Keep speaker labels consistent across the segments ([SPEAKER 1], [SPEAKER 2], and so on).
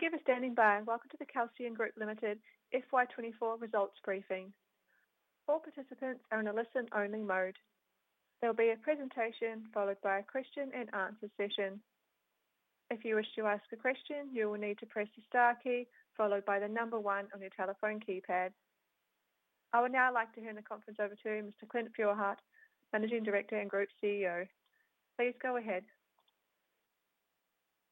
[SPEAKER 1] Thank you for standing by and welcome to the Kelsian Group Limited FY 2024 results briefing. All participants are in a listen-only mode. There will be a presentation, followed by a question-and-answer session. If you wish to ask a question, you will need to press the star key, followed by the number one on your telephone keypad. I would now like to hand the conference over to Mr. Clint Feuerherdt, Managing Director and Group CEO. Please go ahead.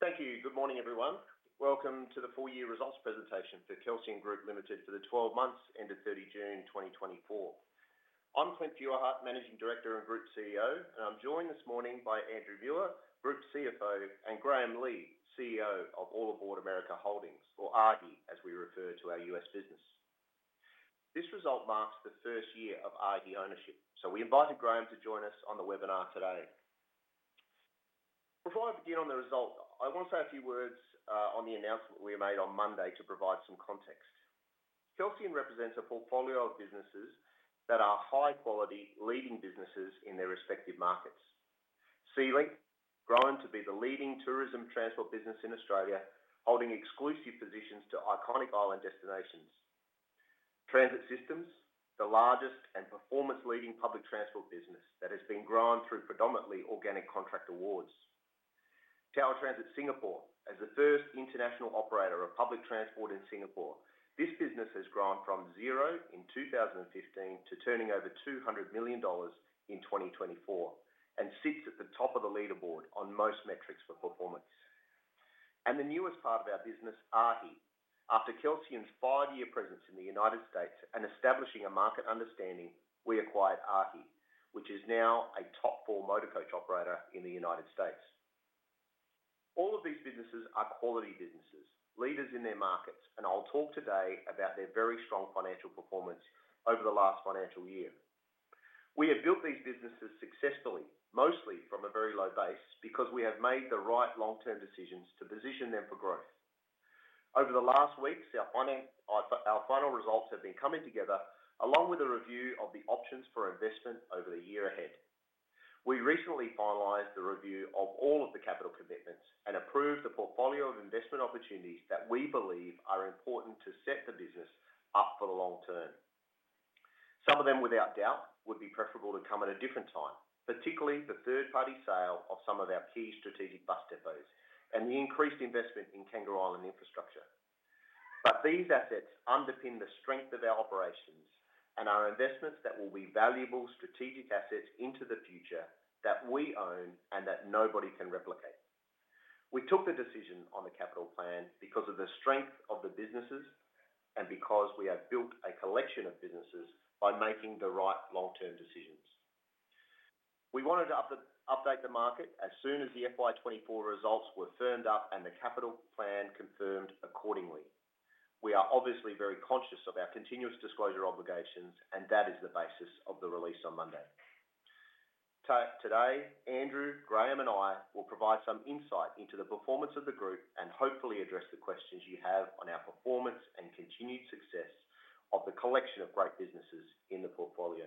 [SPEAKER 2] Thank you. Good morning, everyone. Welcome to the full year results presentation for Kelsian Group Limited for the 12 months ended 30 June 2024. I'm Clint Feuerherdt, Managing Director and Group CEO, and I'm joined this morning by Andrew Muir, Group CFO, and Graeme Legh, CEO of All Aboard America Holdings, or AAAHI, as we refer to our US business. This result marks the first year of AAAHI ownership, so we invited Graeme to join us on the webinar today. Before I begin on the result, I want to say a few words on the announcement we made on Monday to provide some context. Kelsian represents a portfolio of businesses that are high quality, leading businesses in their respective markets. SeaLink, grown to be the leading tourism transport business in Australia, holding exclusive positions to iconic island destinations. Transit Systems, the largest and performance leading public transport business that has been grown through predominantly organic contract awards. Tower Transit Singapore, as the first international operator of public transport in Singapore, this business has grown from zero in 2015 to turning over 200 million dollars in 2024, and sits at the top of the leaderboard on most metrics for performance. And the newest part of our business, AAAHI. After Kelsian's five-year presence in the United States and establishing a market understanding, we acquired AAAHI, which is now a top four motor coach operator in the United States. All of these businesses are quality businesses, leaders in their markets, and I'll talk today about their very strong financial performance over the last financial year. We have built these businesses successfully, mostly from a very low base, because we have made the right long-term decisions to position them for growth. Over the last weeks, our final results have been coming together, along with a review of the options for investment over the year ahead. We recently finalized the review of all of the capital commitments and approved the portfolio of investment opportunities that we believe are important to set the business up for the long term. Some of them, without doubt, would be preferable to come at a different time, particularly the third-party sale of some of our key strategic bus depots and the increased investment in Kangaroo Island infrastructure. But these assets underpin the strength of our operations and are investments that will be valuable strategic assets into the future that we own and that nobody can replicate. We took the decision on the capital plan because of the strength of the businesses and because we have built a collection of businesses by making the right long-term decisions. We wanted to update the market as soon as the FY 2024 results were firmed up and the capital plan confirmed accordingly. We are obviously very conscious of our continuous disclosure obligations, and that is the basis of the release on Monday. Today, Andrew, Graeme, and I will provide some insight into the performance of the group and hopefully address the questions you have on our performance and continued success of the collection of great businesses in the portfolio,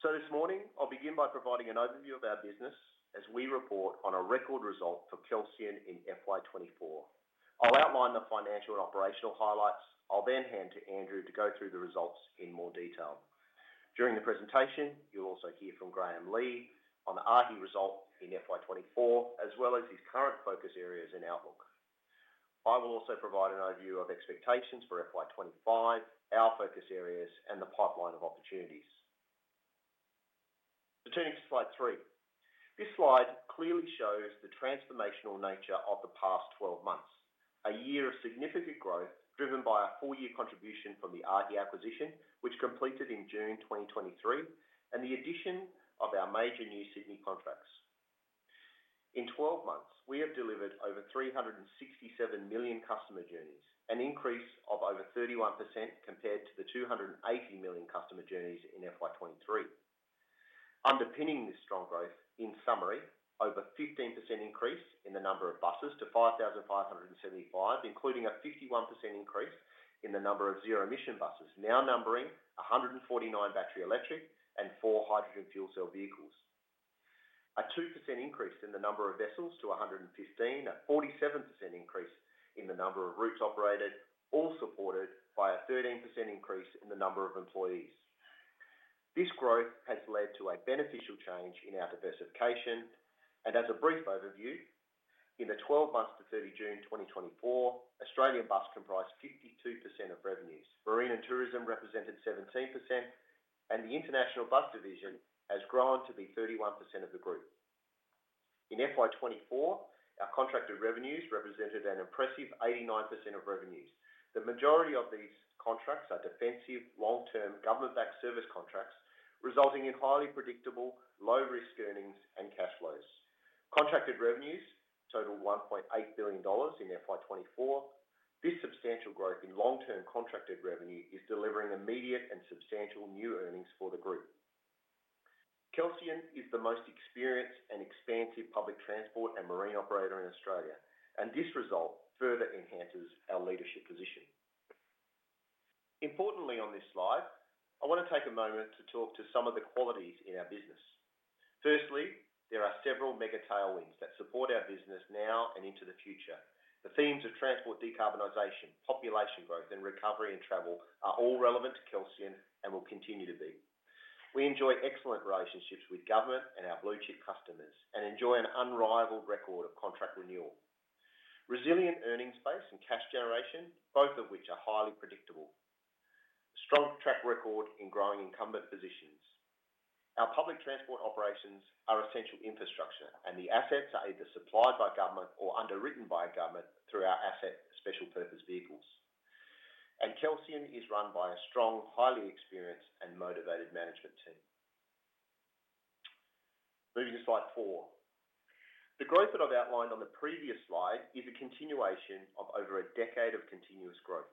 [SPEAKER 2] so this morning, I'll begin by providing an overview of our business as we report on a record result for Kelsian in FY 2024. I'll outline the financial and operational highlights. I'll then hand to Andrew to go through the results in more detail. During the presentation, you'll also hear from Graeme Legh on the AAAHI result in FY 2024, as well as his current focus areas and outlook. I will also provide an overview of expectations for FY 2025, our focus areas, and the pipeline of opportunities. Turning to slide 3. This slide clearly shows the transformational nature of the past 12 months, a year of significant growth driven by a full-year contribution from the AAAHI acquisition, which completed in June 2023, and the addition of our major new Sydney contracts. In 12 months, we have delivered over 367 million customer journeys, an increase of over 31% compared to the 280 million customer journeys in FY 2023. Underpinning this strong growth, in summary, over 15% increase in the number of buses to 5,575, including a 51% increase in the number of zero-emission buses, now numbering 149 battery electric and 4 hydrogen fuel cell vehicles. A 2% increase in the number of vessels to 115, a 47% increase in the number of routes operated, all supported by a 13% increase in the number of employees. This growth has led to a beneficial change in our diversification, and as a brief overview, in the twelve months to 30 June 2024, Australian bus comprised 52% of revenues. Marine and tourism represented 17%, and the international bus division has grown to be 31% of the group. In FY 2024, our contracted revenues represented an impressive 89% of revenues. The majority of these contracts are defensive, long-term, government-backed service contracts, resulting in highly predictable, low-risk earnings and cash flows. Contracted revenues total 1.8 billion dollars in FY 2024. This substantial growth in long-term contracted revenue is delivering immediate and substantial new earnings for the group. Kelsian is the most experienced and expansive public transport and marine operator in Australia, and this result further enhances our leadership position. Importantly, on this slide, I want to take a moment to talk to some of the qualities in our business. Firstly, there are several mega tailwinds that support our business now and into the future. The themes of transport, decarbonization, population growth, and recovery and travel are all relevant to Kelsian and will continue to be. We enjoy excellent relationships with government and our blue-chip customers, and enjoy an unrivaled record of contract renewal. Resilient earnings base and cash generation, both of which are highly predictable. Strong track record in growing incumbent positions. Our public transport operations are essential infrastructure, and the assets are either supplied by government or underwritten by government through our asset special purpose vehicles, and Kelsian is run by a strong, highly experienced, and motivated management team. Moving to slide 4. The growth that I've outlined on the previous slide is a continuation of over a decade of continuous growth.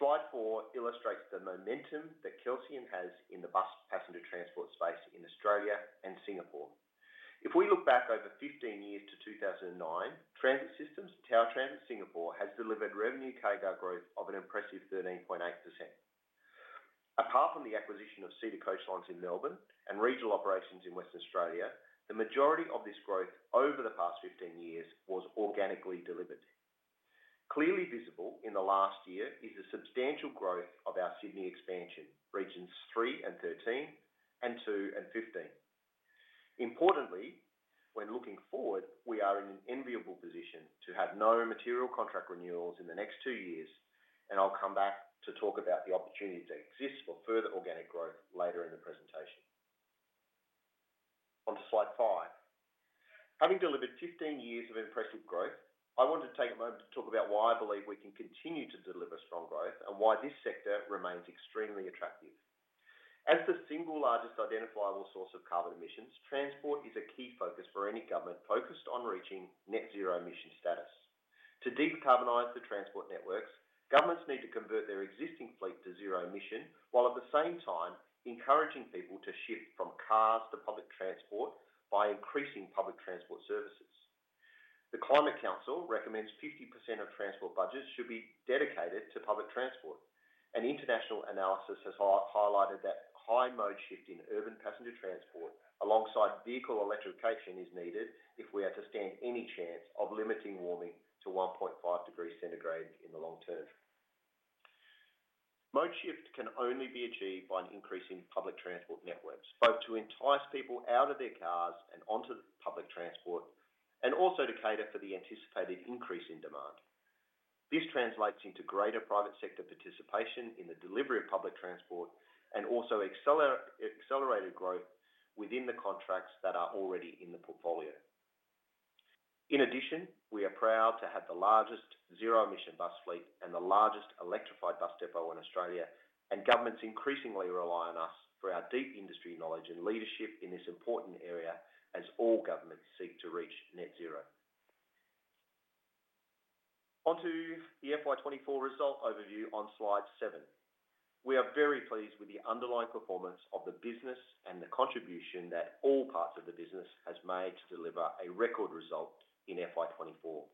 [SPEAKER 2] Slide 4 illustrates the momentum that Kelsian has in the bus passenger transport space in Australia and Singapore. If we look back over 15 years to 2009, Transit Systems, Tower Transit Singapore, has delivered revenue CAGR growth of an impressive 13.8%. Apart from the acquisition of City Coastlines in Melbourne and regional operations in West Australia, the majority of this growth over the past 15 years was organically delivered. Clearly visible in the last year is the substantial growth of our Sydney expansion, Regions three and 13, and two and 15. Importantly, when looking forward, we are in an enviable position to have no material contract renewals in the next two years, and I'll come back to talk about the opportunities that exist for further organic growth later in the presentation. On to slide five. Having delivered 15 years of impressive growth, I want to take a moment to talk about why I believe we can continue to deliver strong growth and why this sector remains extremely attractive. As the single largest identifiable source of carbon emissions, transport is a key focus for any government focused on reaching net zero emission status. To decarbonize the transport networks, governments need to convert their existing fleet to zero emission, while at the same time encouraging people to shift from cars to public transport by increasing public transport services. The Climate Council recommends 50% of transport budgets should be dedicated to public transport, and international analysis has highlighted that high mode shift in urban passenger transport alongside vehicle electrification is needed if we are to stand any chance of limiting warming to 1.5 degrees centigrade in the long term. Mode shift can only be achieved by increasing public transport networks, both to entice people out of their cars and onto the public transport, and also to cater for the anticipated increase in demand. This translates into greater private sector participation in the delivery of public transport, and also accelerated growth within the contracts that are already in the portfolio. In addition, we are proud to have the largest zero-emission bus fleet and the largest electrified bus depot in Australia, and governments increasingly rely on us for our deep industry knowledge and leadership in this important area as all governments seek to reach net zero. On to the FY 2024 result overview on slide seven. We are very pleased with the underlying performance of the business and the contribution that all parts of the business has made to deliver a record result in FY 2024.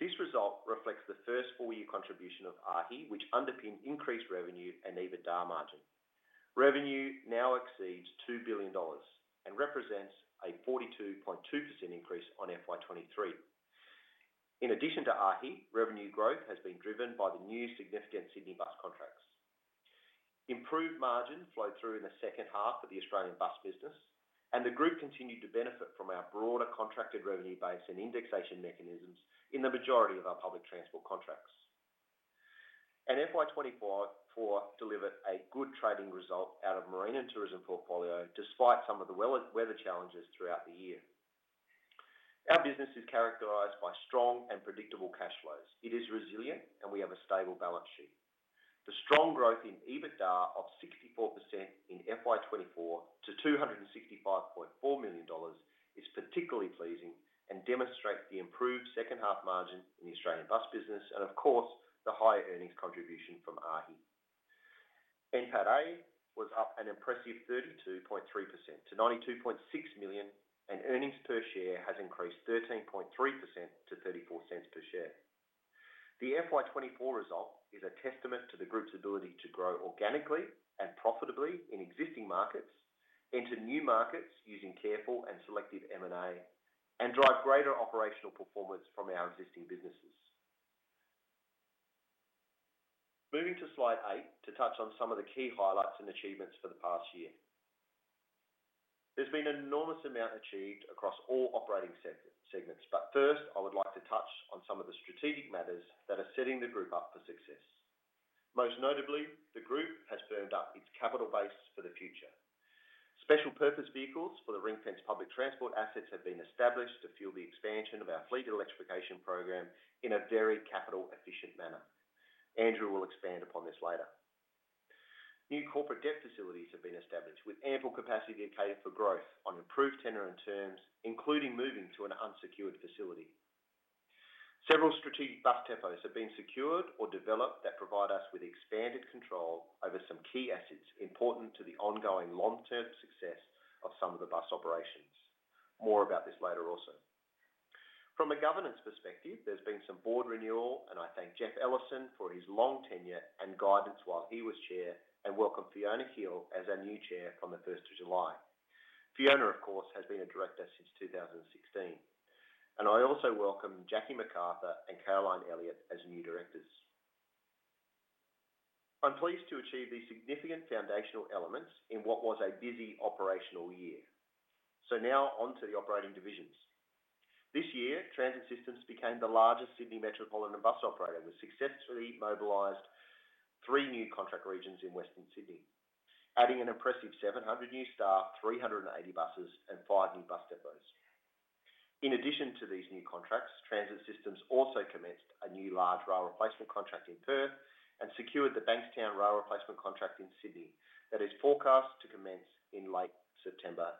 [SPEAKER 2] This result reflects the first full year contribution of AAAHI, which underpinned increased revenue and EBITDA margin. Revenue now exceeds 2 billion dollars and represents a 42.2% increase on FY 2023. In addition to AAAHI, revenue growth has been driven by the new significant Sydney Bus contracts. Improved margin flowed through in the second half of the Australian bus business, and the group continued to benefit from our broader contracted revenue base and indexation mechanisms in the majority of our public transport contracts. FY 2024 delivered a good trading result out of marine and tourism portfolio, despite some of the weather challenges throughout the year. Our business is characterized by strong and predictable cash flows. It is resilient, and we have a stable balance sheet. The strong growth in EBITDA of 64% in FY 2024 to 265.4 million dollars is particularly pleasing and demonstrates the improved second half margin in the Australian bus business and, of course, the higher earnings contribution from AAAHI. NPATA was up an impressive 32.3% to 92.6 million, and earnings per share has increased 13.3% to 0.34 per share. The FY 2024 result is a testament to the group's ability to grow organically and profitably in existing markets, into new markets using careful and selective M&A, and drive greater operational performance from our existing businesses. Moving to slide 8 to touch on some of the key highlights and achievements for the past year. There's been an enormous amount achieved across all operating segments, but first I would like to touch on some of the strategic matters that are setting the group up for success. Most notably, the group has firmed up its capital base for the future. Special purpose vehicles for the ring-fenced public transport assets have been established to fuel the expansion of our fleet electrification program in a very capital efficient manner. Andrew will expand upon this later. New corporate debt facilities have been established with ample capacity to cater for growth on improved tenure and terms, including moving to an unsecured facility. Several strategic bus depots have been secured or developed that provide us with expanded control over some key assets important to the ongoing long-term success of some of the bus operations. More about this later also. From a governance perspective, there's been some board renewal, and I thank Jeff Ellison for his long tenure and guidance while he was chair, and welcome Fiona Hele as our new chair from the first of July. Fiona, of course, has been a director since two thousand and sixteen. I also welcome Jackie McArthur and Caroline Elliott as new directors. I'm pleased to achieve these significant foundational elements in what was a busy operational year. Now on to the operating divisions. This year, Transit Systems became the largest Sydney metropolitan bus operator and successfully mobilized three new contract regions in Western Sydney, adding an impressive 700 new staff, 380 buses, and 5 new bus depots. In addition to these new contracts, Transit Systems also commenced a new large rail replacement contract in Perth and secured the Bankstown Rail replacement contract in Sydney that is forecast to commence in late September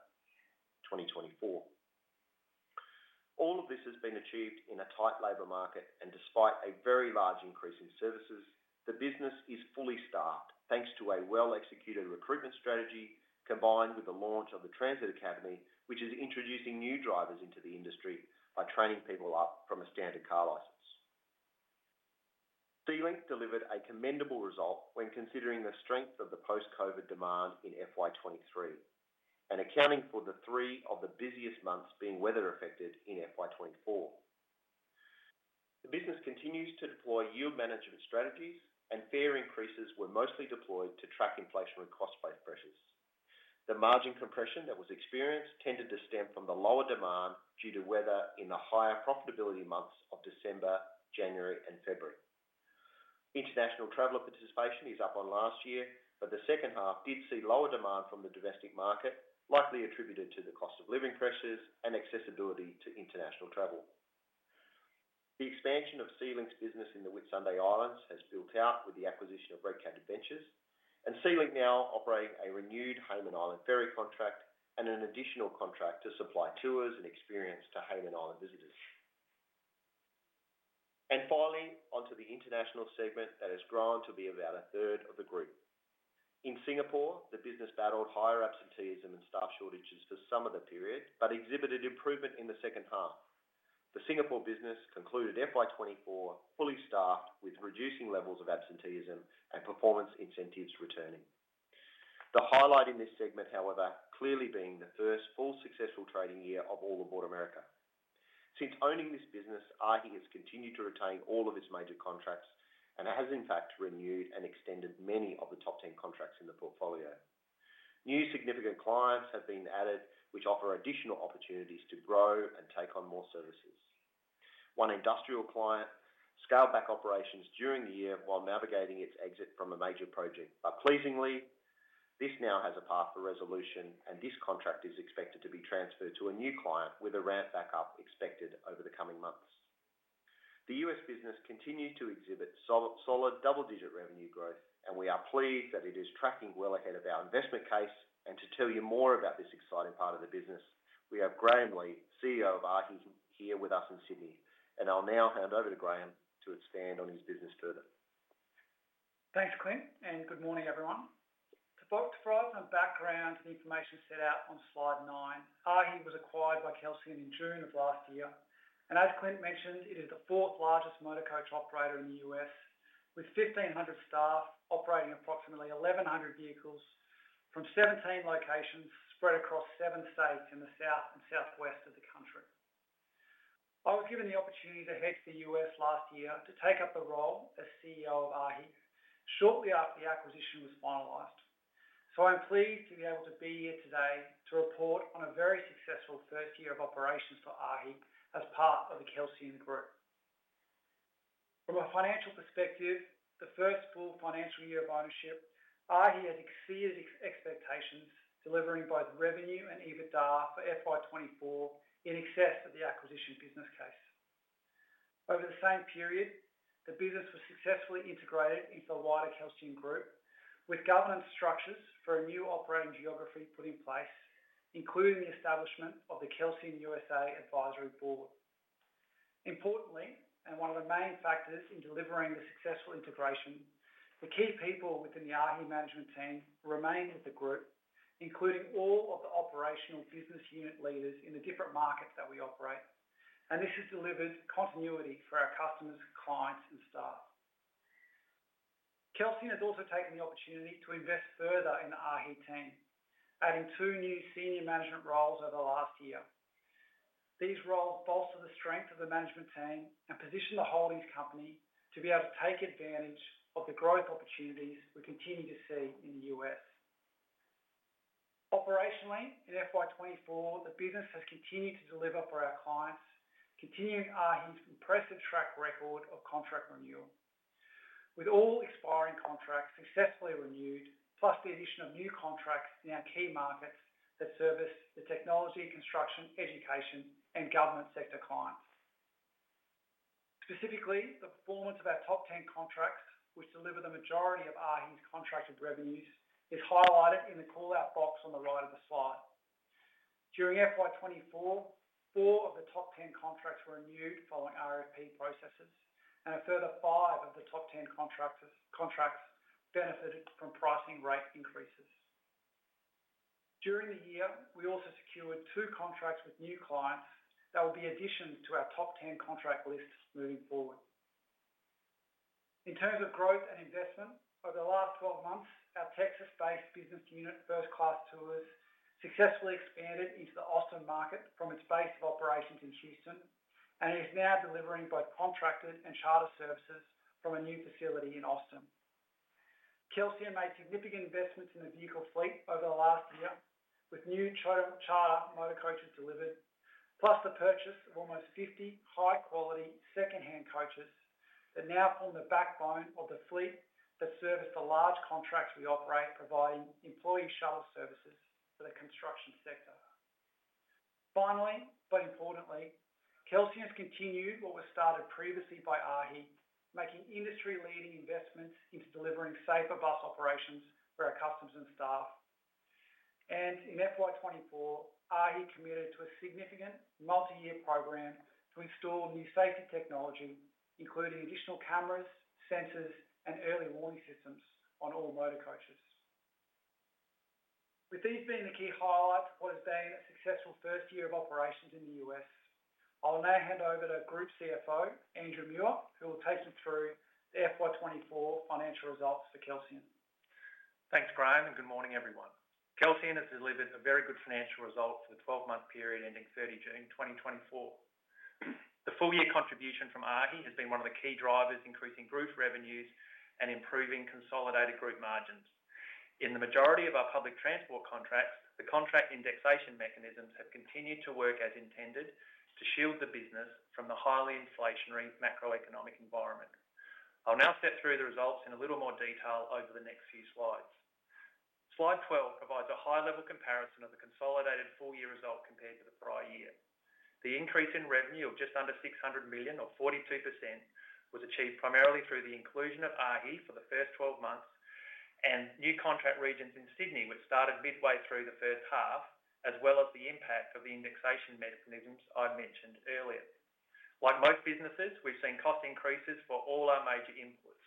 [SPEAKER 2] 2024. All of this has been achieved in a tight labor market, and despite a very large increase in services, the business is fully staffed, thanks to a well-executed recruitment strategy, combined with the launch of the Transit Academy, which is introducing new drivers into the industry by training people up from a standard car license. SeaLink delivered a commendable result when considering the strength of the post-COVID demand in FY 2023 and accounting for the three of the busiest months being weather-affected in FY 2024. The business continues to deploy yield management strategies, and fare increases were mostly deployed to track inflationary cost-based pressures. The margin compression that was experienced tended to stem from the lower demand due to weather in the higher profitability months of December, January, and February. International traveler participation is up on last year, but the second half did see lower demand from the domestic market, likely attributed to the cost of living pressures and accessibility to international travel. The expansion of SeaLink's business in the Whitsunday Islands has built out with the acquisition of Red Cat Adventures, and SeaLink now operating a renewed Hayman Island ferry contract and an additional contract to supply tours and experience to Hayman Island visitors. And finally, onto the international segment that has grown to be about a third of the group. In Singapore, the business battled higher absenteeism and staff shortages for some of the period, but exhibited improvement in the second half. The Singapore business concluded FY 2024 fully staffed, with reducing levels of absenteeism and performance incentives returning. The highlight in this segment, however, clearly being the first full successful trading year of All Aboard America. Since owning this business, AAAHI has continued to retain all of its major contracts and has in fact renewed and extended many of the top 10 contracts in the portfolio. New significant clients have been added, which offer additional opportunities to grow and take on more services. One industrial client scaled back operations during the year while navigating its exit from a major project, but pleasingly, this now has a path for resolution, and this contract is expected to be transferred to a new client with a ramp back up expected over the coming months. The US business continued to exhibit solid double-digit revenue growth, and we are pleased that it is tracking well ahead of our investment case. And to tell you more about this exciting part of the business, we have Graeme Legh, CEO of AAAHI, here with us in Sydney, and I'll now hand over to Graeme to expand on his business further.
[SPEAKER 3] Thanks, Clint, and good morning, everyone. To provide some background information set out on slide nine, AAAHI was acquired by Kelsian in June of last year, and as Clint mentioned, it is the fourth largest motor coach operator in the U.S., with fifteen hundred staff operating approximately eleven hundred vehicles from seventeen locations spread across seven states in the south and southwest of the country. I was given the opportunity to head to the U.S. last year to take up the role as CEO of AAAHI shortly after the acquisition was finalized. So I'm pleased to be able to be here today to report on a very successful first year of operations for AAAHI as part of the Kelsian Group. From a financial perspective, the first full financial year of ownership, AAAHI has exceeded expectations, delivering both revenue and EBITDA for FY 2024 in excess of the acquisition business case. Over the same period, the business was successfully integrated into the wider Kelsian Group, with governance structures for a new operating geography put in place, including the establishment of the Kelsian USA Advisory Board. Importantly, and one of the main factors in delivering the successful integration, the key people within the AAAHI management team remained with the group, including all of the operational business unit leaders in the different markets that we operate, and this has delivered continuity for our customers, clients, and staff. Kelsian has also taken the opportunity to invest further in the AAAHI team, adding two new senior management roles over the last year. These roles bolster the strength of the management team and position the holdings company to be able to take advantage of the growth opportunities we continue to see in the U.S. Operationally, in FY twenty-four, the business has continued to deliver for our clients, continuing AAAHI's impressive track record of contract renewal. With all expiring contracts successfully renewed, plus the addition of new contracts in our key markets that service the technology, construction, education, and government sector clients. Specifically, the performance of our top ten contracts, which deliver the majority of AAAHI's contracted revenues, is highlighted in the call-out box on the right of the slide. During FY twenty-four, four of the top ten contracts were renewed following RFP processes, and a further five of the top ten contracts benefited from pricing rate increases. During the year, we also secured two contracts with new clients that will be additions to our top 10 contract lists moving forward. In terms of growth and investment, over the last 12 months, our Texas-based business unit, First Class Tours, successfully expanded into the Austin market from its base of operations in Houston, and is now delivering both contracted and charter services from a new facility in Austin. Kelsian made significant investments in the vehicle fleet over the last year, with new charter motor coaches delivered, plus the purchase of almost 50 high-quality second-hand coaches that now form the backbone of the fleet that service the large contracts we operate, providing employee shuttle services for the construction sector. Finally, but importantly, Kelsian has continued what was started previously by AAAHI, making industry-leading investments into delivering safer bus operations for our customers and staff. And in FY 2024, AAAHI committed to a significant multi-year program to install new safety technology, including additional cameras, sensors, and early warning systems on all motor coaches. With these being the key highlights of what has been a successful first year of operations in the US, I'll now hand over to Group CFO Andrew Muir, who will take you through the FY 2024 financial results for Kelsian.
[SPEAKER 4] Thanks, Graeme, and good morning, everyone. Kelsian has delivered a very good financial result for the 12-month period ending 30 June 2024. The full year contribution from AAAHI has been one of the key drivers, increasing group revenues and improving consolidated group margins. In the majority of our public transport contracts, the contract indexation mechanisms have continued to work as intended, to shield the business from the highly inflationary macroeconomic environment. I'll now step through the results in a little more detail over the next few slides. Slide 12 provides a high-level comparison of the consolidated full-year result compared to the prior year. The increase in revenue of just under 600 million or 42%, was achieved primarily through the inclusion of AAAHI for the first 12 months, and new contract regions in Sydney, which started midway through the first half, as well as the impact of the indexation mechanisms I mentioned earlier. Like most businesses, we've seen cost increases for all our major inputs.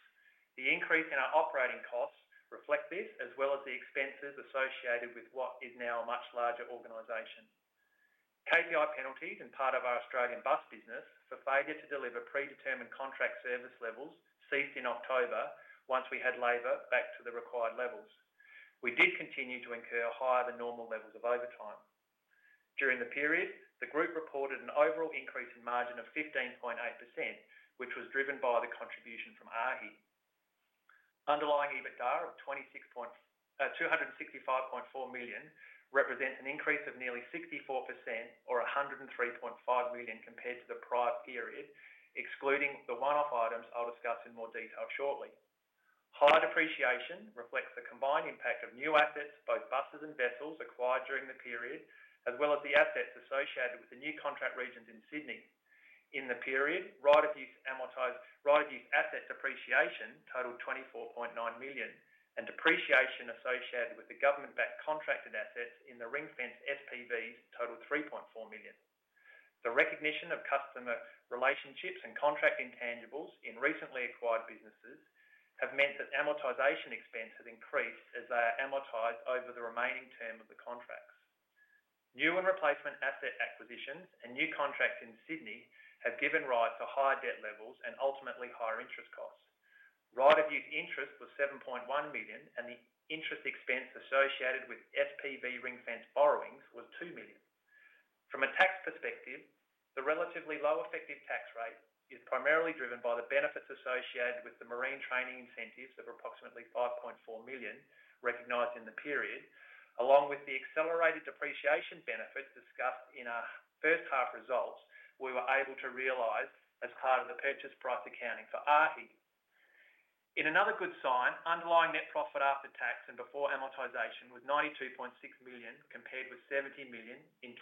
[SPEAKER 4] The increase in our operating costs reflect this, as well as the expenses associated with what is now a much larger organization. KPI penalties and part of our Australian bus business for failure to deliver predetermined contract service levels, ceased in October once we had labor back to the required levels. We did continue to incur higher than normal levels of overtime. During the period, the group reported an overall increase in margin of 15.8%, which was driven by the contribution from AAAHI. Underlying EBITDA of 265.4 million represents an increase of nearly 64% or 103.5 million compared to the prior period, excluding the one-off items I'll discuss in more detail shortly. Higher depreciation reflects the combined impact of new assets, both buses and vessels, acquired during the period, as well as the assets associated with the new contract regions in Sydney. In the period, right of use amortized, right of use assets depreciation totaled 24.9 million, and depreciation associated with the government-backed contracted assets in the ring-fence SPVs totaled 3.4 million. The recognition of customer relationships and contract intangibles in recently acquired businesses, have meant that amortization expense has increased as they are amortized over the remaining term of the contracts. New and replacement asset acquisitions and new contracts in Sydney have given rise to higher debt levels and ultimately higher interest costs. Right of use interest was 7.1 million, and the interest expense associated with SPV ring-fence borrowings was 2 million. From a tax perspective, the relatively low effective tax rate is primarily driven by the benefits associated with the marine training incentives of approximately 5.4 million recognized in the period, along with the accelerated depreciation benefits discussed in our first half results we were able to realize as part of the purchase price accounting for AAAHI. In another good sign, underlying net profit after tax and before amortization was 92.6 million, compared with 70 million in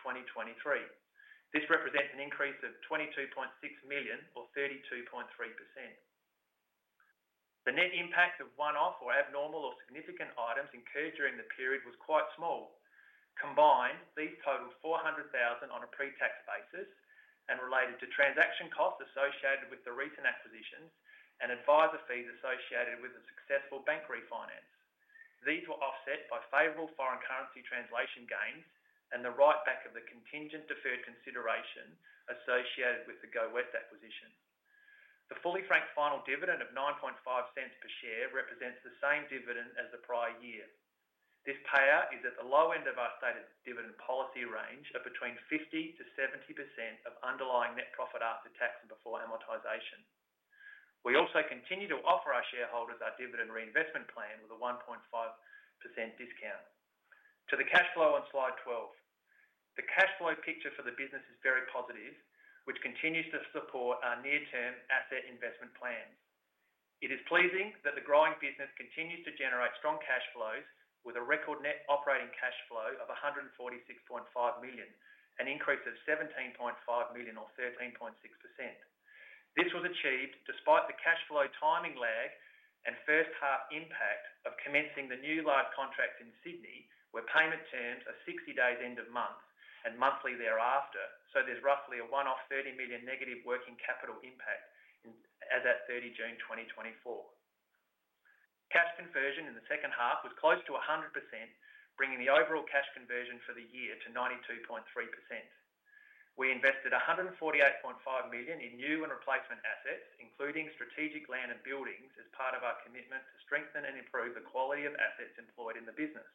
[SPEAKER 4] 2023. This represents an increase of 22.6 million or 32.3%. The net impact of one-off or abnormal or significant items incurred during the period was quite small. Combined, these totaled 400,000 on a pre-tax basis, and related to transaction costs associated with the recent acquisitions and advisor fees associated with the successful bank refinance. These were offset by favorable foreign currency translation gains and the write-back of the contingent deferred consideration associated with the Go West acquisition. The fully franked final dividend of 0.095 per share represents the same dividend as the prior year. This payout is at the low end of our stated dividend policy range of between 50% to 70% of underlying net profit after tax and before amortization. We also continue to offer our shareholders our dividend reinvestment plan with a 1.5% discount. To the cash flow on slide 12. The cash flow picture for the business is very positive, which continues to support our near-term asset investment plans. It is pleasing that the growing business continues to generate strong cash flows with a record net operating cash flow of 146.5 million, an increase of 17.5 million or 13.6%. This was achieved despite the cash flow timing lag and first half impact of commencing the new live contract in Sydney, where payment terms are sixty days end of month and monthly thereafter, so there's roughly a one-off 30 million negative working capital impact in as at 30 June 2024. Cash conversion in the second half was close to 100%, bringing the overall cash conversion for the year to 92.3%. We invested 148.5 million in new and replacement assets, including strategic land and buildings, as part of our commitment to strengthen and improve the quality of assets employed in the business.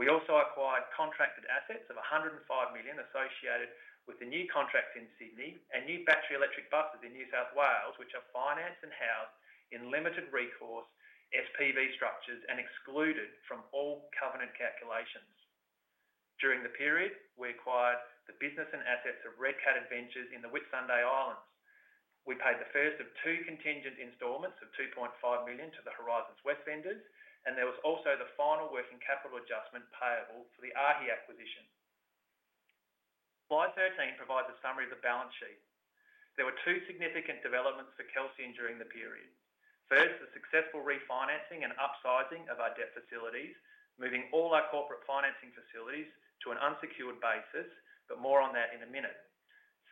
[SPEAKER 4] We also acquired contracted assets of 105 million associated with the new contracts in Sydney, and new battery electric buses in New South Wales, which are financed and housed in limited recourse SPV structures and excluded from all covenant calculations. During the period, we acquired the business and assets of Red Cat Adventures in the Whitsunday Islands. We paid the first of two contingent installments of 2.5 million to the Horizons West vendors, and there was also the final working capital adjustment payable for the AAAHI acquisition. Slide 13 provides a summary of the balance sheet. There were two significant developments for Kelsian during the period. First, the successful refinancing and upsizing of our debt facilities, moving all our corporate financing facilities to an unsecured basis, but more on that in a minute.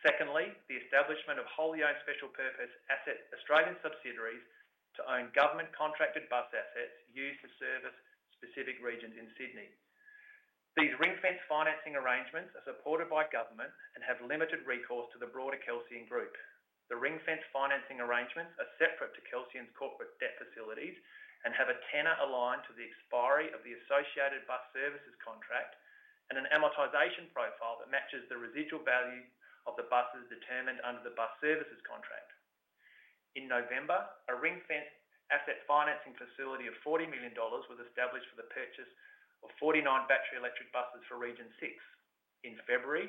[SPEAKER 4] Secondly, the establishment of wholly-owned special purpose asset-Australian subsidiaries to own government-contracted bus assets used to service specific regions in Sydney. These ring-fence financing arrangements are supported by government and have limited recourse to the broader Kelsian Group. The ring-fence financing arrangements are separate to Kelsian's corporate debt facilities and have a tenor aligned to the expiry of the associated bus services contract, and an amortization profile that matches the residual value of the buses determined under the bus services contract. In November, a ring-fence asset financing facility of 40 million dollars was established for the purchase of 49 battery electric buses for Region Six. In February,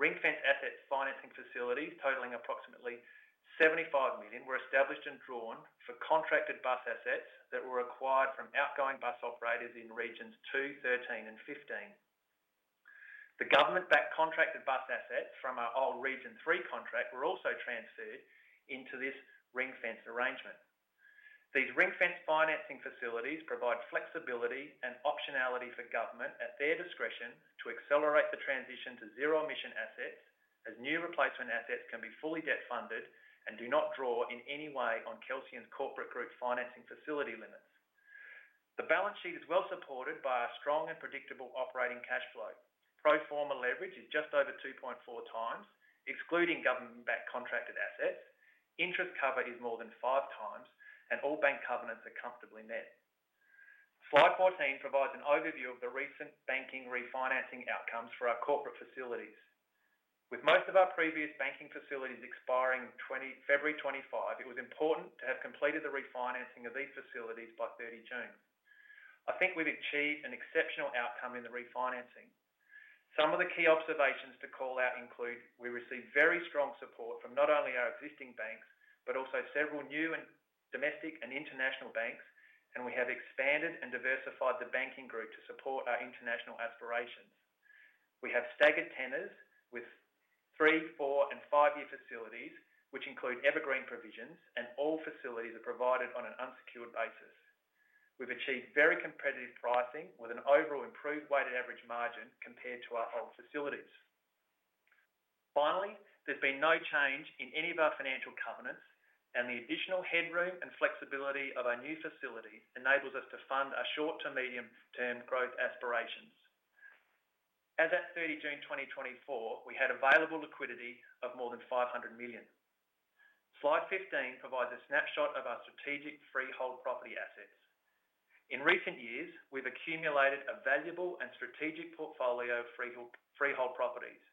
[SPEAKER 4] ring-fence assets financing facilities totaling approximately 75 million were established and drawn for contracted bus assets that were acquired from outgoing bus operators in Regions 2, 13, and 15. The government-backed contracted bus assets from our old Region 3 contract were also transferred into this ring-fence arrangement. These ring-fence financing facilities provide flexibility and optionality for government at their discretion to accelerate the transition to zero-emission assets, as new replacement assets can be fully debt-funded and do not draw in any way on Kelsian's corporate group financing facility limits. The balance sheet is well supported by our strong and predictable operating cash flow. Pro forma leverage is just over 2.4 times, excluding government-backed contracted assets. Interest cover is more than 5 times, and all bank covenants are comfortably met. Slide 14 provides an overview of the recent banking refinancing outcomes for our corporate facilities. With most of our previous banking facilities expiring 20 February 2025, it was important to have completed the refinancing of these facilities by 30 June. I think we've achieved an exceptional outcome in the refinancing. Some of the key observations to call out include. We received very strong support from not only our existing banks, but also several new and domestic and international banks, and we have expanded and diversified the banking group to support our international aspirations. We have staggered tenors with three, four, and five-year facilities, which include evergreen provisions, and all facilities are provided on an unsecured basis. We've achieved very competitive pricing with an overall improved weighted average margin compared to our old facilities. Finally, there's been no change in any of our financial covenants, and the additional headroom and flexibility of our new facility enables us to fund our short to medium-term growth aspirations. As at 30 June 2024, we had available liquidity of more than 500 million. Slide 15 provides a snapshot of our strategic freehold property assets. In recent years, we've accumulated a valuable and strategic portfolio of freehold properties.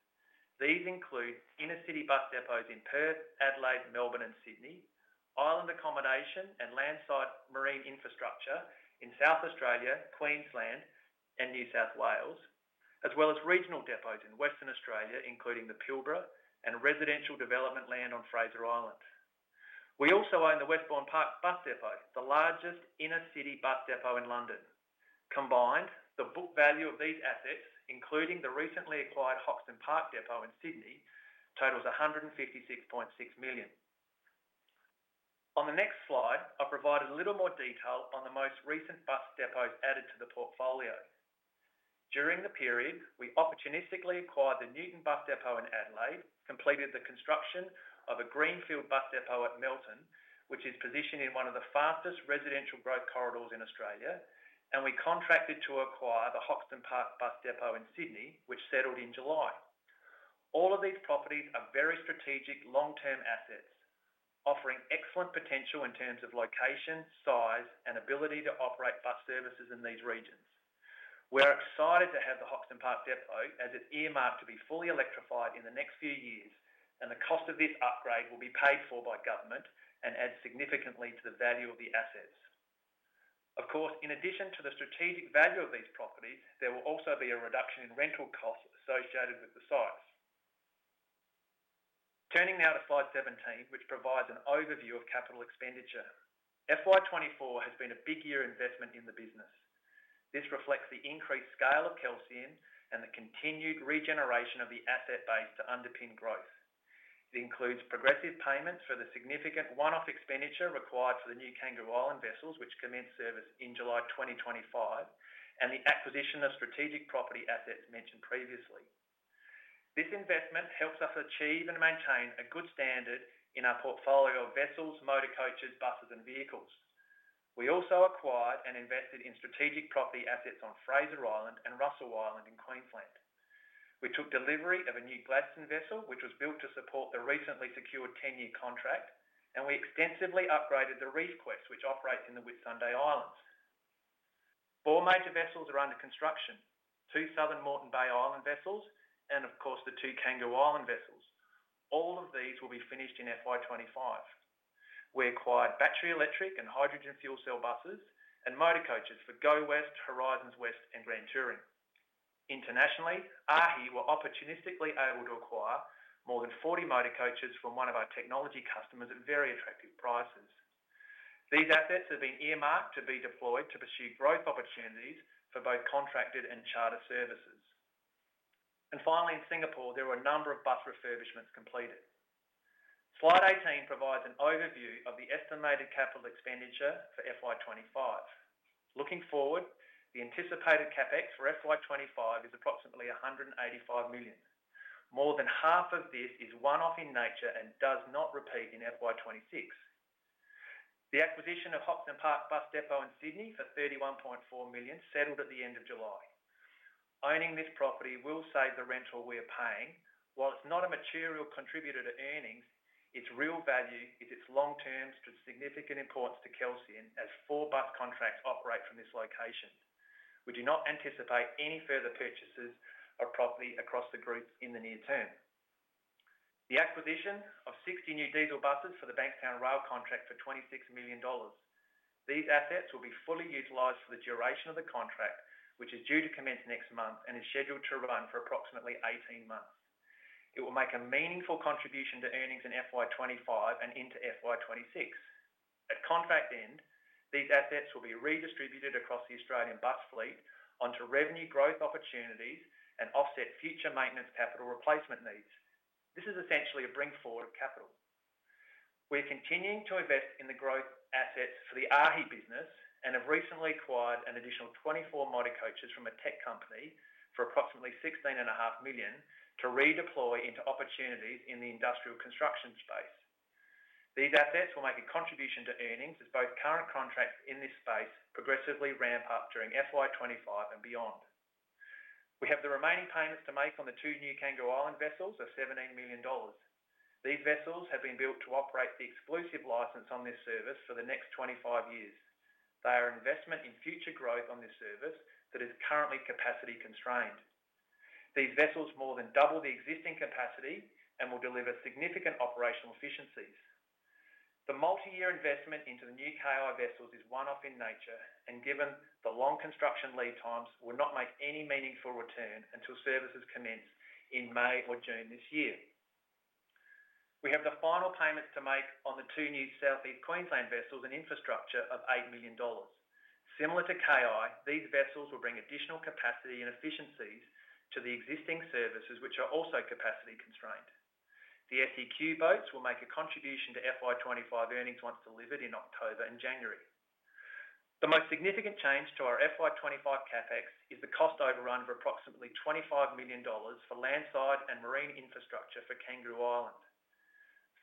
[SPEAKER 4] These include inner-city bus depots in Perth, Adelaide, Melbourne, and Sydney, island accommodation and land site marine infrastructure in South Australia, Queensland, and New South Wales, as well as regional depots in Western Australia, including the Pilbara, and residential development land on Fraser Island. We also own the Westbourne Park Bus Depot, the largest inner-city bus depot in London. Combined, the book value of these assets, including the recently acquired Hoxton Park Depot in Sydney, totals 156.6 million. On the next slide, I've provided a little more detail on the most recent bus depots added to the portfolio. During the period, we opportunistically acquired the Newton Bus Depot in Adelaide, completed the construction of a greenfield bus depot at Melton, which is positioned in one of the fastest residential growth corridors in Australia, and we contracted to acquire the Hoxton Park Bus Depot in Sydney, which settled in July. All of these properties are very strategic long-term assets, offering excellent potential in terms of location, size, and ability to operate bus services in these regions. We're excited to have the Hoxton Park Depot as it's earmarked to be fully electrified in the next few years, and the cost of this upgrade will be paid for by government and add significantly to the value of the assets. Of course, in addition to the strategic value of these properties, there will also be a reduction in rental costs associated with the sites. Turning now to slide 17, which provides an overview of capital expenditure. FY 2024 has been a big year investment in the business. This reflects the increased scale of Kelsian and the continued regeneration of the asset base to underpin growth. It includes progressive payments for the significant one-off expenditure required for the new Kangaroo Island vessels, which commenced service in July 2025, and the acquisition of strategic property assets mentioned previously. This investment helps us achieve and maintain a good standard in our portfolio of vessels, motor coaches, buses, and vehicles. We also acquired and invested in strategic property assets on Fraser Island and Russell Island in Queensland. We took delivery of a new Gladstone vessel, which was built to support the recently secured 10-year contract, and we extensively upgraded the Reef Quest, which operates in the Whitsunday Islands. Four major vessels are under construction, two Southern Moreton Bay Islands vessels, and of course, the two Kangaroo Island vessels. All of these will be finished in FY 2025. We acquired battery electric and hydrogen fuel cell buses and motor coaches for Go West, Horizons West, and Grand Touring. Internationally, AAAHI were opportunistically able to acquire more than 40 motor coaches from one of our technology customers at very attractive prices. These assets have been earmarked to be deployed to pursue growth opportunities for both contracted and charter services. Finally, in Singapore, there were a number of bus refurbishments completed. Slide 18 provides an overview of the estimated capital expenditure for FY 2025. Looking forward, the anticipated CapEx for FY 2025 is approximately 185 million. More than half of this is one-off in nature and does not repeat in FY 2026. The acquisition of Hoxton Park Bus Depot in Sydney for AUD 31.4 million, settled at the end of July. Owning this property will save the rental we are paying. While it's not a material contributor to earnings, its real value is its long-term significant importance to Kelsian, as four bus contracts operate from this location. We do not anticipate any further purchases of property across the group in the near term. The acquisition of 60 new diesel buses for the Bankstown Rail contract for 26 million dollars. These assets will be fully utilized for the duration of the contract, which is due to commence next month, and is scheduled to run for approximately 18 months. It will make a meaningful contribution to earnings in FY 2025 and into FY 2026. At contract end, these assets will be redistributed across the Australian bus fleet onto revenue growth opportunities and offset future maintenance capital replacement needs. This is essentially a bring forward of capital. We're continuing to invest in the growth assets for the AAAHI business, and have recently acquired an additional 24 motor coaches from a tech company for approximately 16.5 million to redeploy into opportunities in the industrial construction space. These assets will make a contribution to earnings as both current contracts in this space progressively ramp up during FY 2025 and beyond. We have the remaining payments to make on the two new Kangaroo Island vessels of 17 million dollars. These vessels have been built to operate the exclusive license on this service for the next 25 years. They are an investment in future growth on this service that is currently capacity constrained. These vessels more than double the existing capacity and will deliver significant operational efficiencies. The multi-year investment into the new KI vessels is one-off in nature, and given the long construction lead times, will not make any meaningful return until services commence in May or June this year. We have the final payments to make on the two new Southeast Queensland vessels and infrastructure of 8 million dollars. Similar to KI, these vessels will bring additional capacity and efficiencies to the existing services, which are also capacity constrained. The SEQ boats will make a contribution to FY 2025 earnings, once delivered in October and January. The most significant change to our FY 2025 CapEx is the cost overrun of approximately 25 million dollars for landside and marine infrastructure for Kangaroo Island.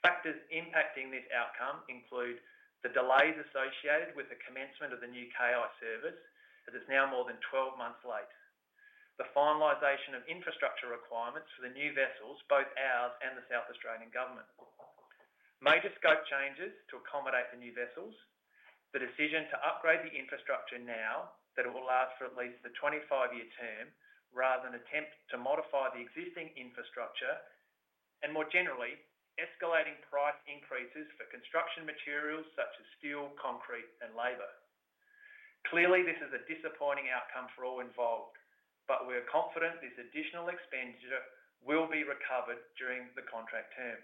[SPEAKER 4] Factors impacting this outcome include the delays associated with the commencement of the new KI service, that is now more than twelve months late. The finalization of infrastructure requirements for the new vessels, both ours and the South Australian government. Major scope changes to accommodate the new vessels. The decision to upgrade the infrastructure now, that it will last for at least the 25-year term, rather than attempt to modify the existing infrastructure, and more generally, escalating price increases for construction materials such as steel, concrete, and labor. Clearly, this is a disappointing outcome for all involved, but we are confident this additional expenditure will be recovered during the contract term.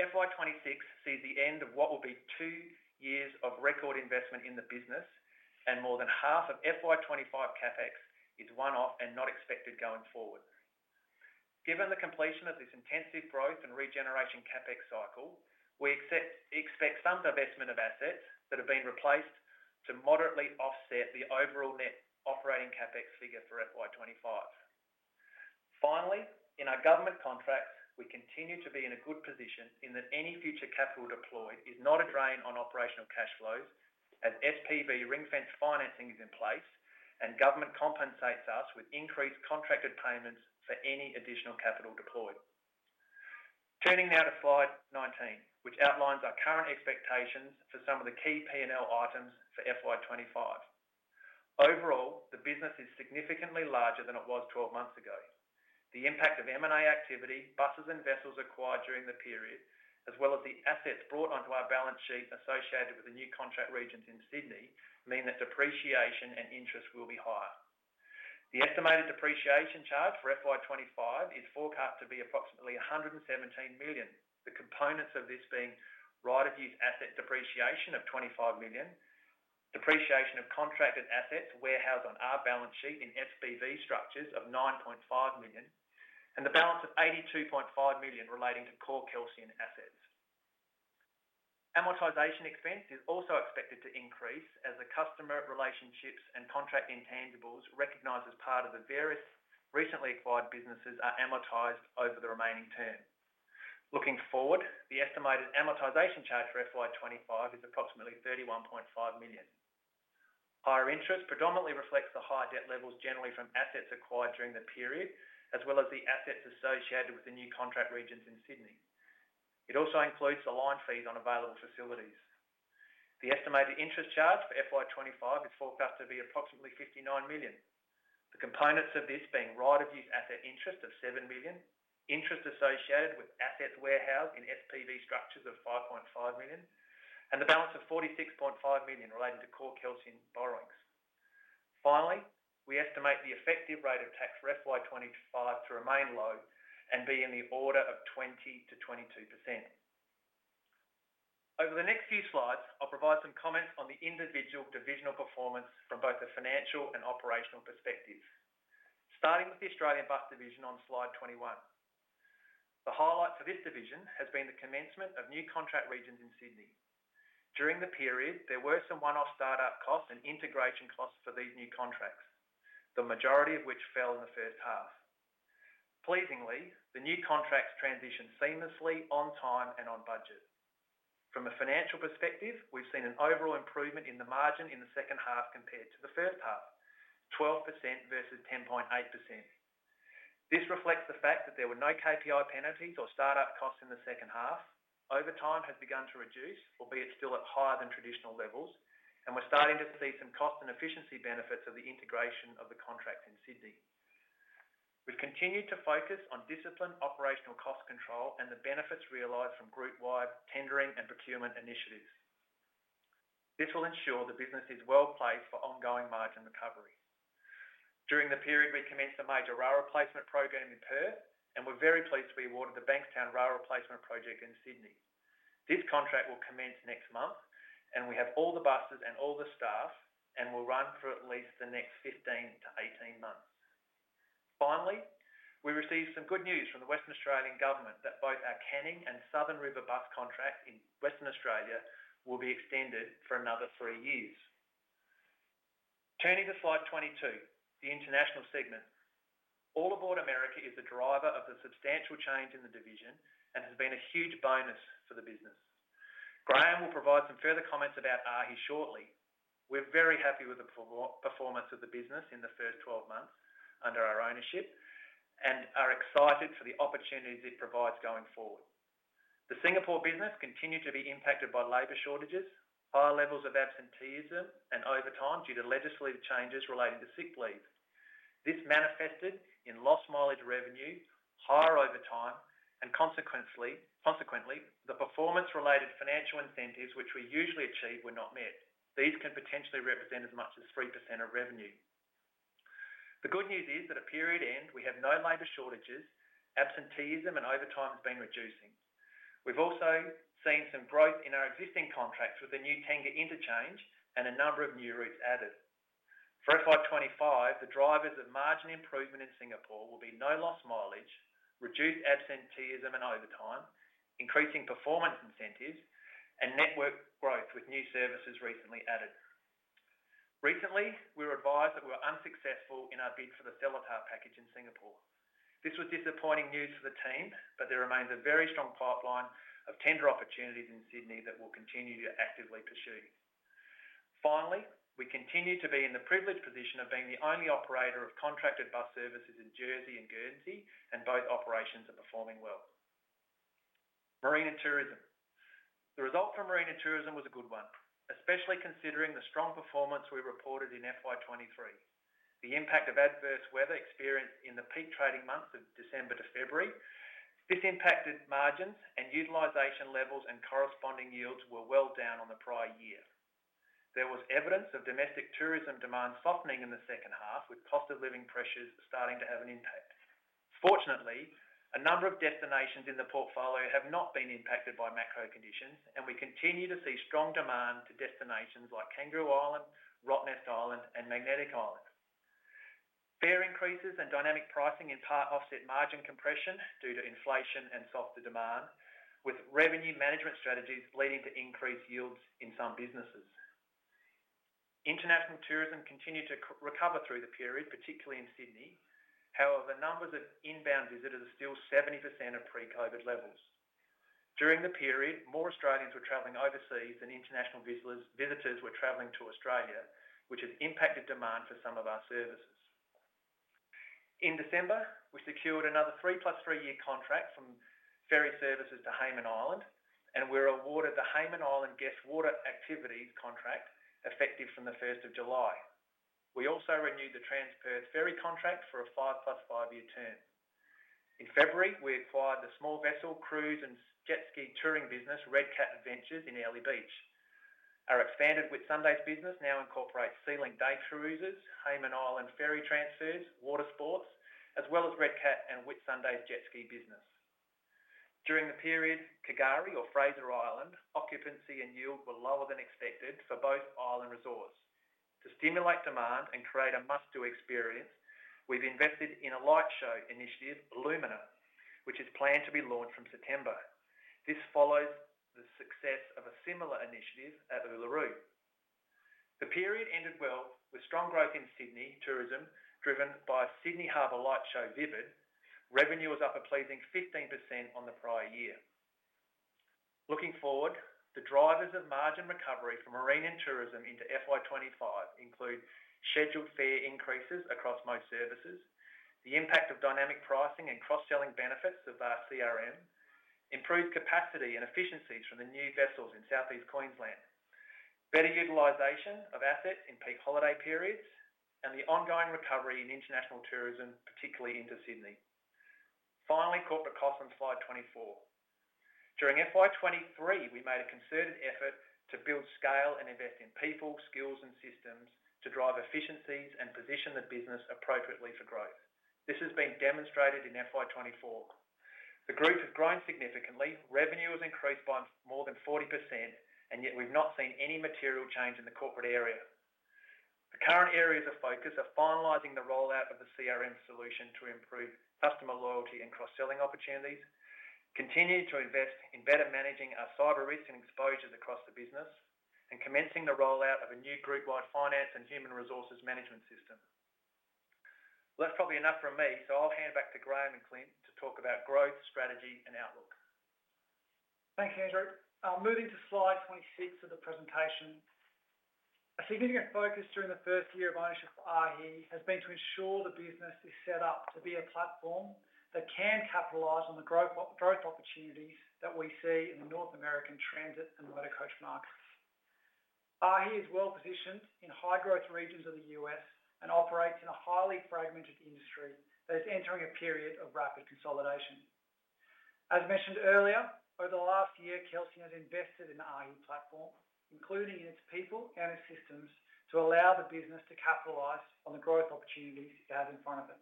[SPEAKER 4] FY 2026 sees the end of what will be two years of record investment in the business, and more than half of FY 2025 CapEx is one-off and not expected going forward. Given the completion of this intensive growth and regeneration CapEx cycle, we expect some divestment of assets that have been replaced to moderately offset the overall net operating CapEx figure for FY 2025. Finally, in our government contracts, we continue to be in a good position in that any future capital deployed is not a drain on operational cash flows, as SPV ring-fence financing is in place, and government compensates us with increased contracted payments for any additional capital deployed. Turning now to slide nineteen, which outlines our current expectations for some of the key P&L items for FY 2025. Overall, the business is significantly larger than it was twelve months ago. The impact of M&A activity, buses and vessels acquired during the period, as well as the assets brought onto our balance sheet associated with the new contract regions in Sydney, mean that depreciation and interest will be higher. The estimated depreciation charge for FY 2025 is forecast to be approximately 117 million. The components of this being right-of-use asset depreciation of 25 million, depreciation of contracted assets warehoused on our balance sheet in SPV structures of 9.5 million, and the balance of 82.5 million relating to core Kelsian assets. Amortization expense is also expected to increase as the customer relationships and contract intangibles recognized as part of the various recently acquired businesses are amortized over the remaining term. Looking forward, the estimated amortization charge for FY 2025 is approximately 31.5 million. Higher interest predominantly reflects the high debt levels, generally from assets acquired during the period, as well as the assets associated with the new contract regions in Sydney. It also includes the line fees on available facilities. The estimated interest charge for FY 2025 is forecast to be approximately 59 million. The components of this being right-of-use asset interest of 7 million, interest associated with asset warehouse in SPV structures of 5.5 million, and the balance of 46.5 million related to core Kelsian borrowings. Finally, we estimate the effective rate of tax for FY 2025 to remain low and be in the order of 20%-22%. Over the next few slides, I'll provide some comments on the individual divisional performance from both a financial and operational perspective. Starting with the Australian bus division on slide 21. The highlight for this division has been the commencement of new contract regions in Sydney. During the period, there were some one-off startup costs and integration costs for these new contracts, the majority of which fell in the first half. Pleasingly, the new contracts transitioned seamlessly on time and on budget. From a financial perspective, we've seen an overall improvement in the margin in the second half compared to the first half, 12% versus 10.8%. This reflects the fact that there were no KPI penalties or startup costs in the second half. Overtime has begun to reduce, albeit still at higher than traditional levels, and we're starting to see some cost and efficiency benefits of the integration of the contract in Sydney. We've continued to focus on disciplined operational cost control and the benefits realized from group-wide tendering and procurement initiatives. This will ensure the business is well-placed for ongoing margin recovery. During the period, we commenced a major rail replacement program in Perth, and we're very pleased to be awarded the Bankstown Rail Replacement service in Sydney. This contract will commence next month, and we have all the buses and all the staff, and will run for at least the next 15-18 months. Finally, we received some good news from the Western Australian Government that both our Canning and Southern River bus contract in Western Australia will be extended for another three years. Turning to slide 22, the international segment. All Aboard America is the driver of the substantial change in the division and has been a huge bonus for the business. Graeme will provide some further comments about AAAHI shortly. We're very happy with the performance of the business in the first twelve months under our ownership, and are excited for the opportunities it provides going forward. The Singapore business continued to be impacted by labor shortages, higher levels of absenteeism, and overtime due to legislative changes relating to sick leave. This manifested in lost mileage revenue, higher overtime, and consequently, the performance-related financial incentives, which we usually achieve, were not met. These can potentially represent as much as 3% of revenue. The good news is that at period end, we have no labor shortages, absenteeism and overtime has been reducing. We've also seen some growth in our existing contracts with the new Tengah Interchange and a number of new routes added. For FY 2025, the drivers of margin improvement in Singapore will be no lost mileage, reduced absenteeism and overtime, increasing performance incentives, and network growth with new services recently added. Recently, we were advised that we were unsuccessful in our bid for the Seletar package in Singapore. This was disappointing news for the team, but there remains a very strong pipeline of tender opportunities in Sydney that we'll continue to actively pursue. Finally, we continue to be in the privileged position of being the only operator of contracted bus services in Jersey and Guernsey, and both operations are performing well. Marine and Tourism. The result from Marine and Tourism was a good one, especially considering the strong performance we reported in FY 2023. The impact of adverse weather experienced in the peak trading months of December to February, this impacted margins and utilization levels, and corresponding yields were well down on the prior year. There was evidence of domestic tourism demand softening in the second half, with cost of living pressures starting to have an impact. Fortunately, a number of destinations in the portfolio have not been impacted by macro conditions, and we continue to see strong demand to destinations like Kangaroo Island, Rottnest Island, and Magnetic Island. Fare increases and dynamic pricing in part offset margin compression due to inflation and softer demand, with revenue management strategies leading to increased yields in some businesses. International tourism continued to recover through the period, particularly in Sydney. However, numbers of inbound visitors are still 70% of pre-COVID levels. During the period, more Australians were traveling overseas than international visitors were traveling to Australia, which has impacted demand for some of our services. In December, we secured another three plus three-year contract for ferry services to Hayman Island, and we were awarded the Hayman Island guest water activities contract, effective from the first of July. We also renewed the Transperth ferry contract for a five plus five-year term. In February, we acquired the small vessel cruise and jet ski touring business, Red Cat Adventures, in Airlie Beach. Our expanded Whitsundays business now incorporates SeaLink Day Cruises, Hayman Island ferry transfers, water sports, as well as Red Cat and Whitsundays jet ski business. During the period, K'gari or Fraser Island, occupancy and yield were lower than expected for both island resorts.... To stimulate demand and create a must-do experience, we've invested in a light show initiative, Illumina, which is planned to be launched from September. This follows the success of a similar initiative at Uluru. The period ended well, with strong growth in Sydney tourism, driven by Sydney Harbor Light Show, Vivid. Revenue was up a pleasing 15% on the prior year. Looking forward, the drivers of margin recovery for Marine and Tourism into FY 2025 include scheduled fare increases across most services, the impact of dynamic pricing and cross-selling benefits of our CRM, improved capacity and efficiencies from the new vessels in Southeast Queensland, better utilization of assets in peak holiday periods, and the ongoing recovery in international tourism, particularly into Sydney. Finally, corporate costs on slide 24. During FY 2023, we made a concerted effort to build scale and invest in people, skills, and systems to drive efficiencies and position the business appropriately for growth. This has been demonstrated in FY 2024. The group has grown significantly. Revenue has increased by more than 40%, and yet we've not seen any material change in the corporate area. The current areas of focus are finalizing the rollout of the CRM solution to improve customer loyalty and cross-selling opportunities, continuing to invest in better managing our cyber risks and exposures across the business, and commencing the rollout of a new group-wide finance and human resources management system. Well, that's probably enough from me, so I'll hand back to Graeme and Clint to talk about growth, strategy, and outlook.
[SPEAKER 3] Thanks, Andrew. I'm moving to slide 26 of the presentation. A significant focus during the first year of ownership for AAAHI has been to ensure the business is set up to be a platform that can capitalize on the growth opportunities that we see in the North American transit and motor coach markets. AAAHI is well-positioned in high-growth regions of the U.S. and operates in a highly fragmented industry that is entering a period of rapid consolidation. As mentioned earlier, over the last year, Kelsian has invested in the AAAHI platform, including in its people and its systems, to allow the business to capitalize on the growth opportunities it has in front of it.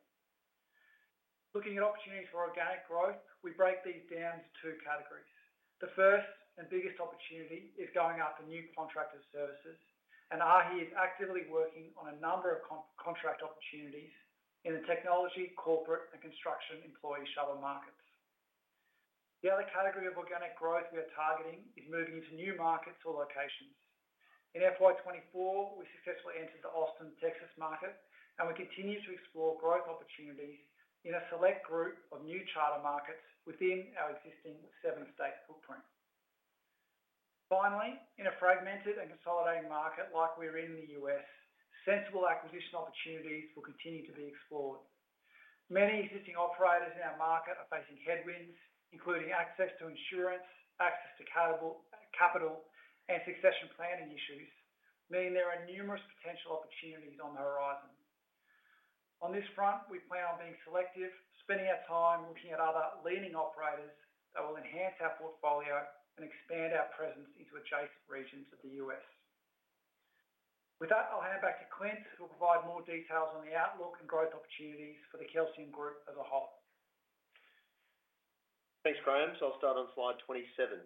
[SPEAKER 3] Looking at opportunities for organic growth, we break these down into two categories. The first and biggest opportunity is going after new contracted services, and AAAHI is actively working on a number of contract opportunities in the technology, corporate, and construction employee shuttle markets. The other category of organic growth we are targeting is moving into new markets or locations. In FY 2024, we successfully entered the Austin, Texas, market, and we continue to explore growth opportunities in a select group of new charter markets within our existing seven-state footprint. Finally, in a fragmented and consolidating market like we're in the U.S., sensible acquisition opportunities will continue to be explored. Many existing operators in our market are facing headwinds, including access to insurance, access to capital, and succession planning issues, meaning there are numerous potential opportunities on the horizon. On this front, we plan on being selective, spending our time looking at other leading operators that will enhance our portfolio and expand our presence into adjacent regions of the U.S. With that, I'll hand back to Clint, who'll provide more details on the outlook and growth opportunities for the Kelsian Group as a whole.
[SPEAKER 2] Thanks, Graeme. I'll start on slide 27.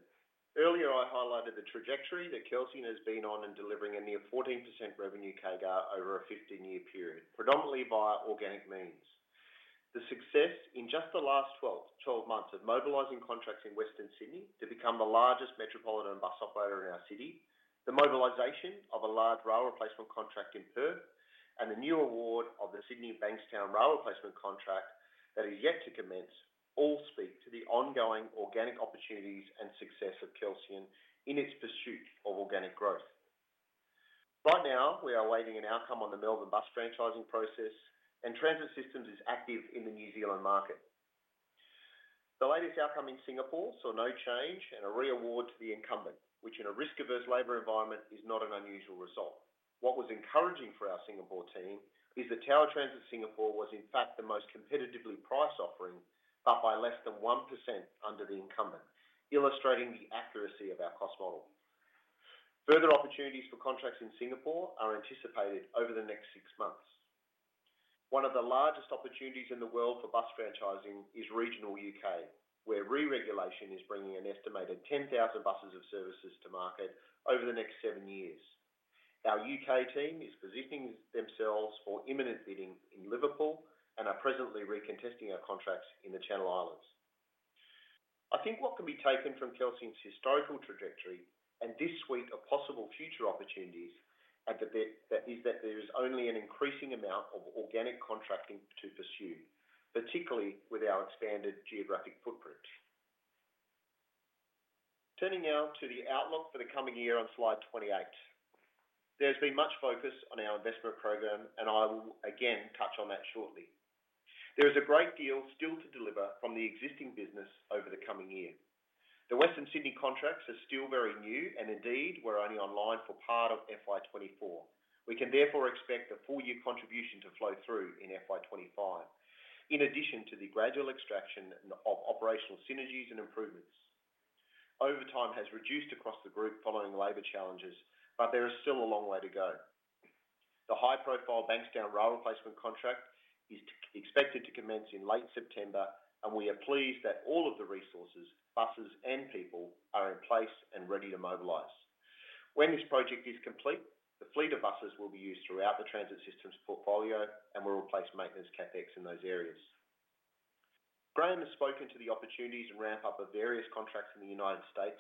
[SPEAKER 2] Earlier, I highlighted the trajectory that Kelsian has been on in delivering a near 14% revenue CAGR over a 15-year period, predominantly via organic means. The success in just the last twelve months of mobilizing contracts in Western Sydney to become the largest metropolitan bus operator in our city, the mobilization of a large rail replacement contract in Perth, and the new award of the Sydney Bankstown rail replacement contract that is yet to commence, all speak to the ongoing organic opportunities and success of Kelsian in its pursuit of organic growth. Right now, we are awaiting an outcome on the Melbourne bus franchising process, and Transit Systems is active in the New Zealand market. The latest outcome in Singapore saw no change and a re-award to the incumbent, which in a risk-averse labor environment, is not an unusual result. What was encouraging for our Singapore team is that Tower Transit Singapore was, in fact, the most competitively priced offering, but by less than 1% under the incumbent, illustrating the accuracy of our cost model. Further opportunities for contracts in Singapore are anticipated over the next six months. One of the largest opportunities in the world for bus franchising is regional U.K., where re-regulation is bringing an estimated 10,000 buses of services to market over the next seven years. Our U.K. team is positioning themselves for imminent bidding in Liverpool and are presently re-contesting our contracts in the Channel Islands. I think what can be taken from Kelsian's historical trajectory and this suite of possible future opportunities, albeit, that is, that there is only an increasing amount of organic contracting to pursue, particularly with our expanded geographic footprint. Turning now to the outlook for the coming year on slide 28. There's been much focus on our investment program, and I will again touch on that shortly. There is a great deal still to deliver from the existing business over the coming year. The Western Sydney contracts are still very new and indeed were only online for part of FY 2024. We can therefore expect a full year contribution to flow through in FY 2025, in addition to the gradual extraction of operational synergies and improvements. Overtime has reduced across the group following labor challenges, but there is still a long way to go. The high-profile Bankstown rail replacement contract is expected to commence in late September, and we are pleased that all of the resources, buses, and people are in place and ready to mobilize. When this project is complete, the fleet of buses will be used throughout the Transit Systems portfolio and will replace maintenance CapEx in those areas. Graeme has spoken to the opportunities and ramp up of various contracts in the United States,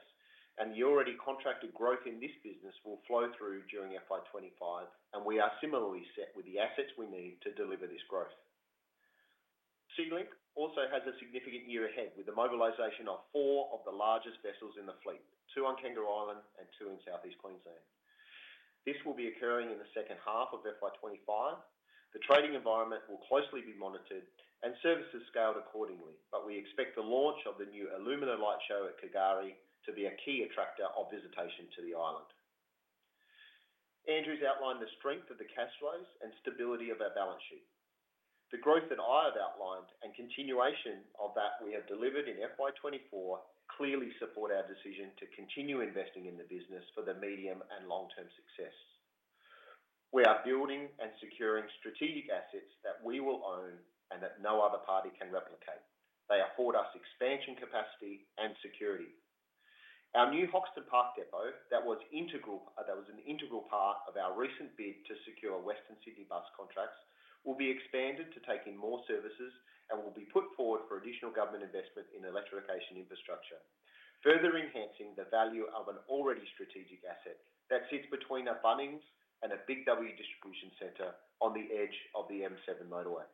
[SPEAKER 2] and the already contracted growth in this business will flow through during FY 2025, and we are similarly set with the assets we need to deliver this growth. SeaLink also has a significant year ahead, with the mobilization of four of the largest vessels in the fleet, two on Kangaroo Island and two in Southeast Queensland. This will be occurring in the second half of FY 2025. The trading environment will closely be monitored and services scaled accordingly, but we expect the launch of the new Illumina light show at K'gari to be a key attractor of visitation to the island. Andrew's outlined the strength of the cash flows and stability of our balance sheet. The growth that I have outlined and continuation of that we have delivered in FY 2024, clearly support our decision to continue investing in the business for the medium and long-term success. We are building and securing strategic assets that we will own and that no other party can replicate. They afford us expansion, capacity, and security. Our new Hoxton Park depot that was an integral part of our recent bid to secure Western Sydney bus contracts, will be expanded to take in more services and will be put forward for additional government investment in electrification infrastructure, further enhancing the value of an already strategic asset that sits between a Bunnings and a Big W distribution center on the edge of the M7 motorway.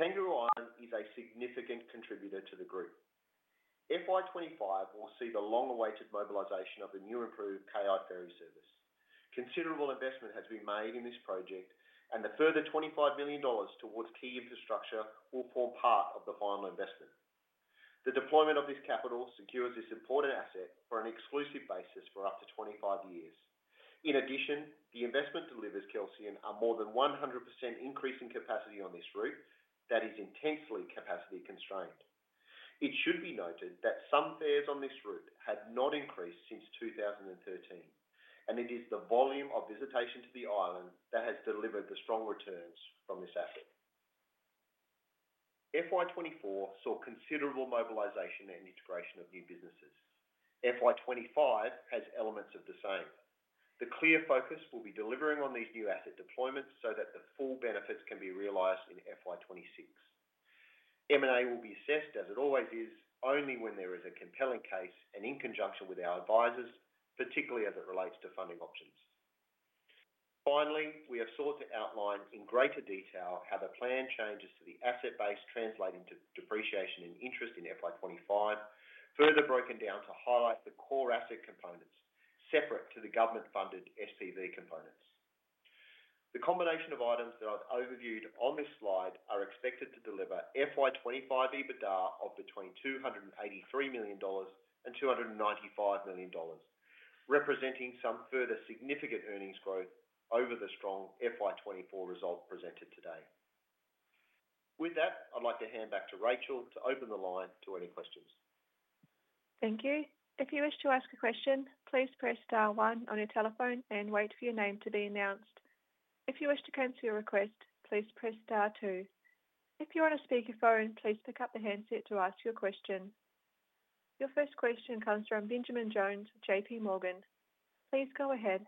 [SPEAKER 2] Kangaroo Island is a significant contributor to the group. FY25 will see the long-awaited mobilization of the new improved KI ferry service. Considerable investment has been made in this project, and the further 25 million dollars towards key infrastructure will form part of the final investment. The deployment of this capital secures this important asset for an exclusive basis for up to 25 years. In addition, the investment delivers Kelsian a more than 100% increase in capacity on this route that is intensely capacity constrained. It should be noted that some fares on this route had not increased since 2013, and it is the volume of visitation to the island that has delivered the strong returns from this asset. FY24 saw considerable mobilization and integration of new businesses. FY25 has elements of the same. The clear focus will be delivering on these new asset deployments so that the full benefits can be realized in FY 2026. M&A will be assessed, as it always is, only when there is a compelling case and in conjunction with our advisors, particularly as it relates to funding options. Finally, we have sought to outline in greater detail how the planned changes to the asset base translate into depreciation and interest in FY 2025, further broken down to highlight the core asset components separate to the government-funded SPV components. The combination of items that I've overviewed on this slide are expected to deliver FY 2025 EBITDA of between 283 million dollars and 295 million dollars, representing some further significant earnings growth over the strong FY 2024 result presented today. With that, I'd like to hand back to Rachel to open the line to any questions.
[SPEAKER 1] Thank you. If you wish to ask a question, please press star one on your telephone and wait for your name to be announced. If you wish to cancel your request, please press star two. If you're on a speakerphone, please pick up the handset to ask your question. Your first question comes from Benjamin Jones, J.P. Morgan. Please go ahead.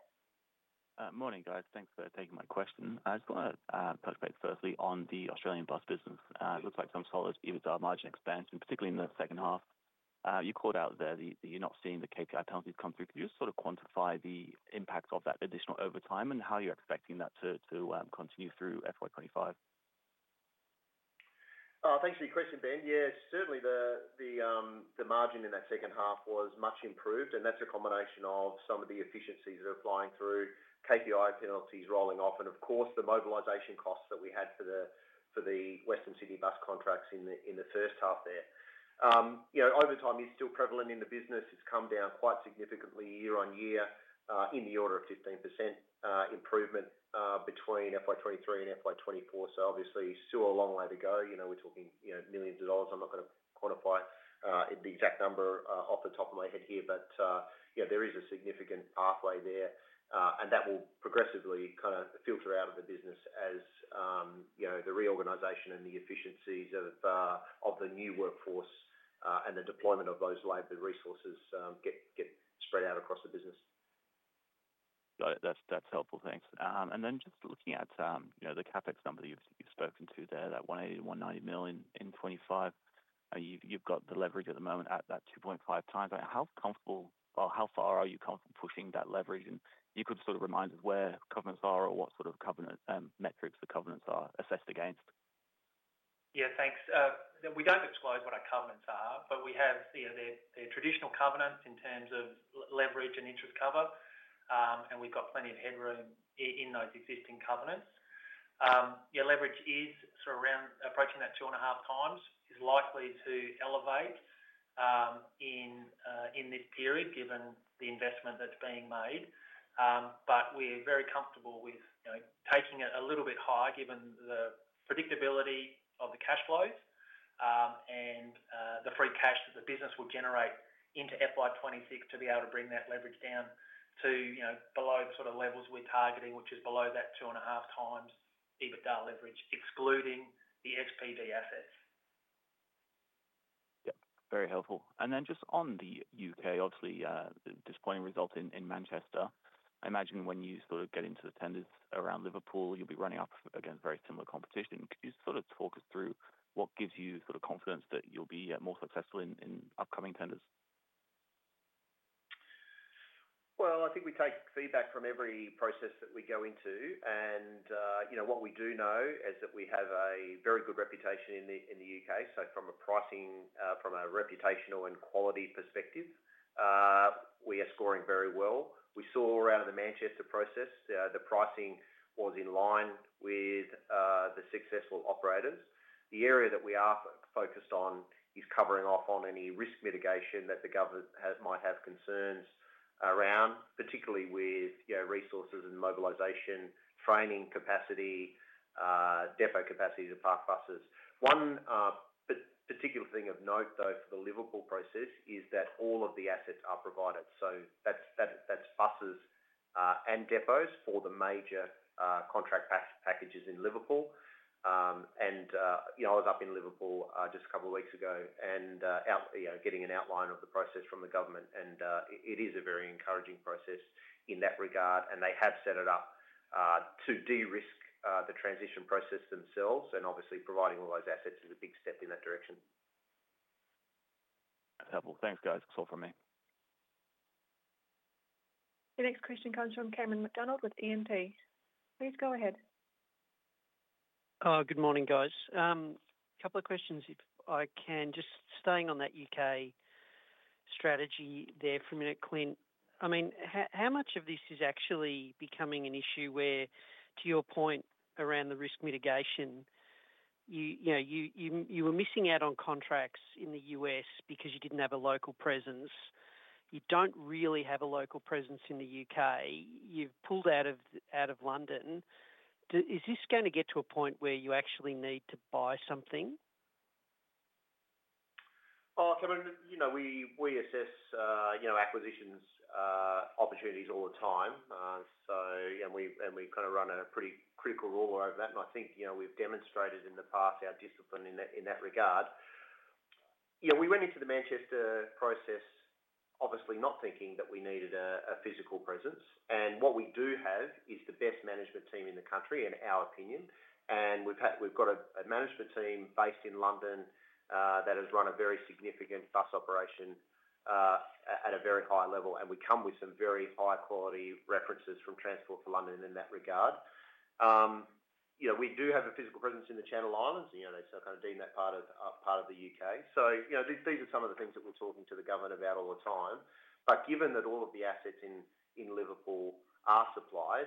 [SPEAKER 5] Morning, guys. Thanks for taking my question. I just want to focus firstly on the Australian bus business. It looks like some solid EBITDA margin expansion, particularly in the second half. You called out there that you're not seeing the KPI penalties come through. Could you sort of quantify the impact of that additional overtime, and how you're expecting that to continue through FY 2025?
[SPEAKER 2] Thanks for your question, Ben. Yeah, certainly the margin in that second half was much improved, and that's a combination of some of the efficiencies that are flowing through KPI penalties rolling off, and of course, the mobilization costs that we had for the Western Sydney bus contracts in the first half there. You know, overtime is still prevalent in the business. It's come down quite significantly year on year, in the order of 15% improvement, between FY 2023 and FY 2024. So obviously, still a long way to go. You know, we're talking, you know, millions of dollars. I'm not gonna quantify the exact number off the top of my head here, but you know, there is a significant pathway there, and that will progressively kind of filter out of the business as you know, the reorganization and the efficiencies of the new workforce, and the deployment of those labor resources get spread out across the business.
[SPEAKER 5] Got it. That's helpful. Thanks. And then just looking at, you know, the CapEx number you've spoken to there, that 180 million-190 million in 2025. You've got the leverage at the moment at that 2.5 times. How comfortable or how far are you comfortable pushing that leverage? And you could sort of remind us where covenants are or what sort of covenant metrics the covenants are assessed against.
[SPEAKER 2] Yeah, thanks. We don't disclose what our covenants are, but we have, you know, the, the traditional covenants in terms of leverage and interest cover, and we've got plenty of headroom in those existing covenants. Yeah, leverage is sort of around approaching that two and a half times, is likely to elevate, in this period, given the investment that's being made. But we're very comfortable with, you know, taking it a little bit higher, given the predictability of the cash flows, and the free cash that the business will generate into FY 2026 to be able to bring that leverage down to, you know, below the sort of levels we're targeting, which is below that two and a half times EBITDA leverage, excluding the SPV assets....
[SPEAKER 5] Yeah, very helpful. And then just on the UK, obviously, the disappointing result in Manchester. I imagine when you sort of get into the tenders around Liverpool, you'll be running up against very similar competition. Could you sort of talk us through what gives you sort of confidence that you'll be more successful in upcoming tenders?
[SPEAKER 2] I think we take feedback from every process that we go into, and, you know, what we do know is that we have a very good reputation in the UK. So from a pricing, from a reputational and quality perspective, we are scoring very well. We saw around the Manchester process, the pricing was in line with, the successful operators. The area that we are focused on is covering off on any risk mitigation that the government might have concerns around, particularly with, you know, resources and mobilization, training capacity, depot capacity to park buses. One particular thing of note, though, for the Liverpool process is that all of the assets are provided, so that's buses, and depots for the major, contract packages in Liverpool. You know, I was up in Liverpool just a couple of weeks ago and you know getting an outline of the process from the government, and it is a very encouraging process in that regard, and they have set it up to de-risk the transition process themselves, and obviously providing all those assets is a big step in that direction.
[SPEAKER 5] That's helpful. Thanks, guys. That's all from me.
[SPEAKER 1] The next question comes from Cameron McDonald with E&P. Please go ahead.
[SPEAKER 6] Good morning, guys. A couple of questions, if I can. Just staying on that U.K. strategy there for a minute, Clint. I mean, how much of this is actually becoming an issue where, to your point around the risk mitigation, you know, you were missing out on contracts in the U.S. because you didn't have a local presence. You don't really have a local presence in the U.K. You've pulled out of London. Is this going to get to a point where you actually need to buy something?
[SPEAKER 2] Cameron, you know, we assess you know, acquisitions opportunities all the time. So and we kind of run a pretty critical rule over that, and I think, you know, we've demonstrated in the past our discipline in that regard. You know, we went into the Manchester process, obviously not thinking that we needed a physical presence, and what we do have is the best management team in the country, in our opinion. We've got a management team based in London that has run a very significant bus operation at a very high level, and we come with some very high-quality references from Transport for London in that regard. You know, we do have a physical presence in the Channel Islands, you know, they still kind of deem that part of the U.K. So, you know, these are some of the things that we're talking to the government about all the time. But given that all of the assets in Liverpool are supplied,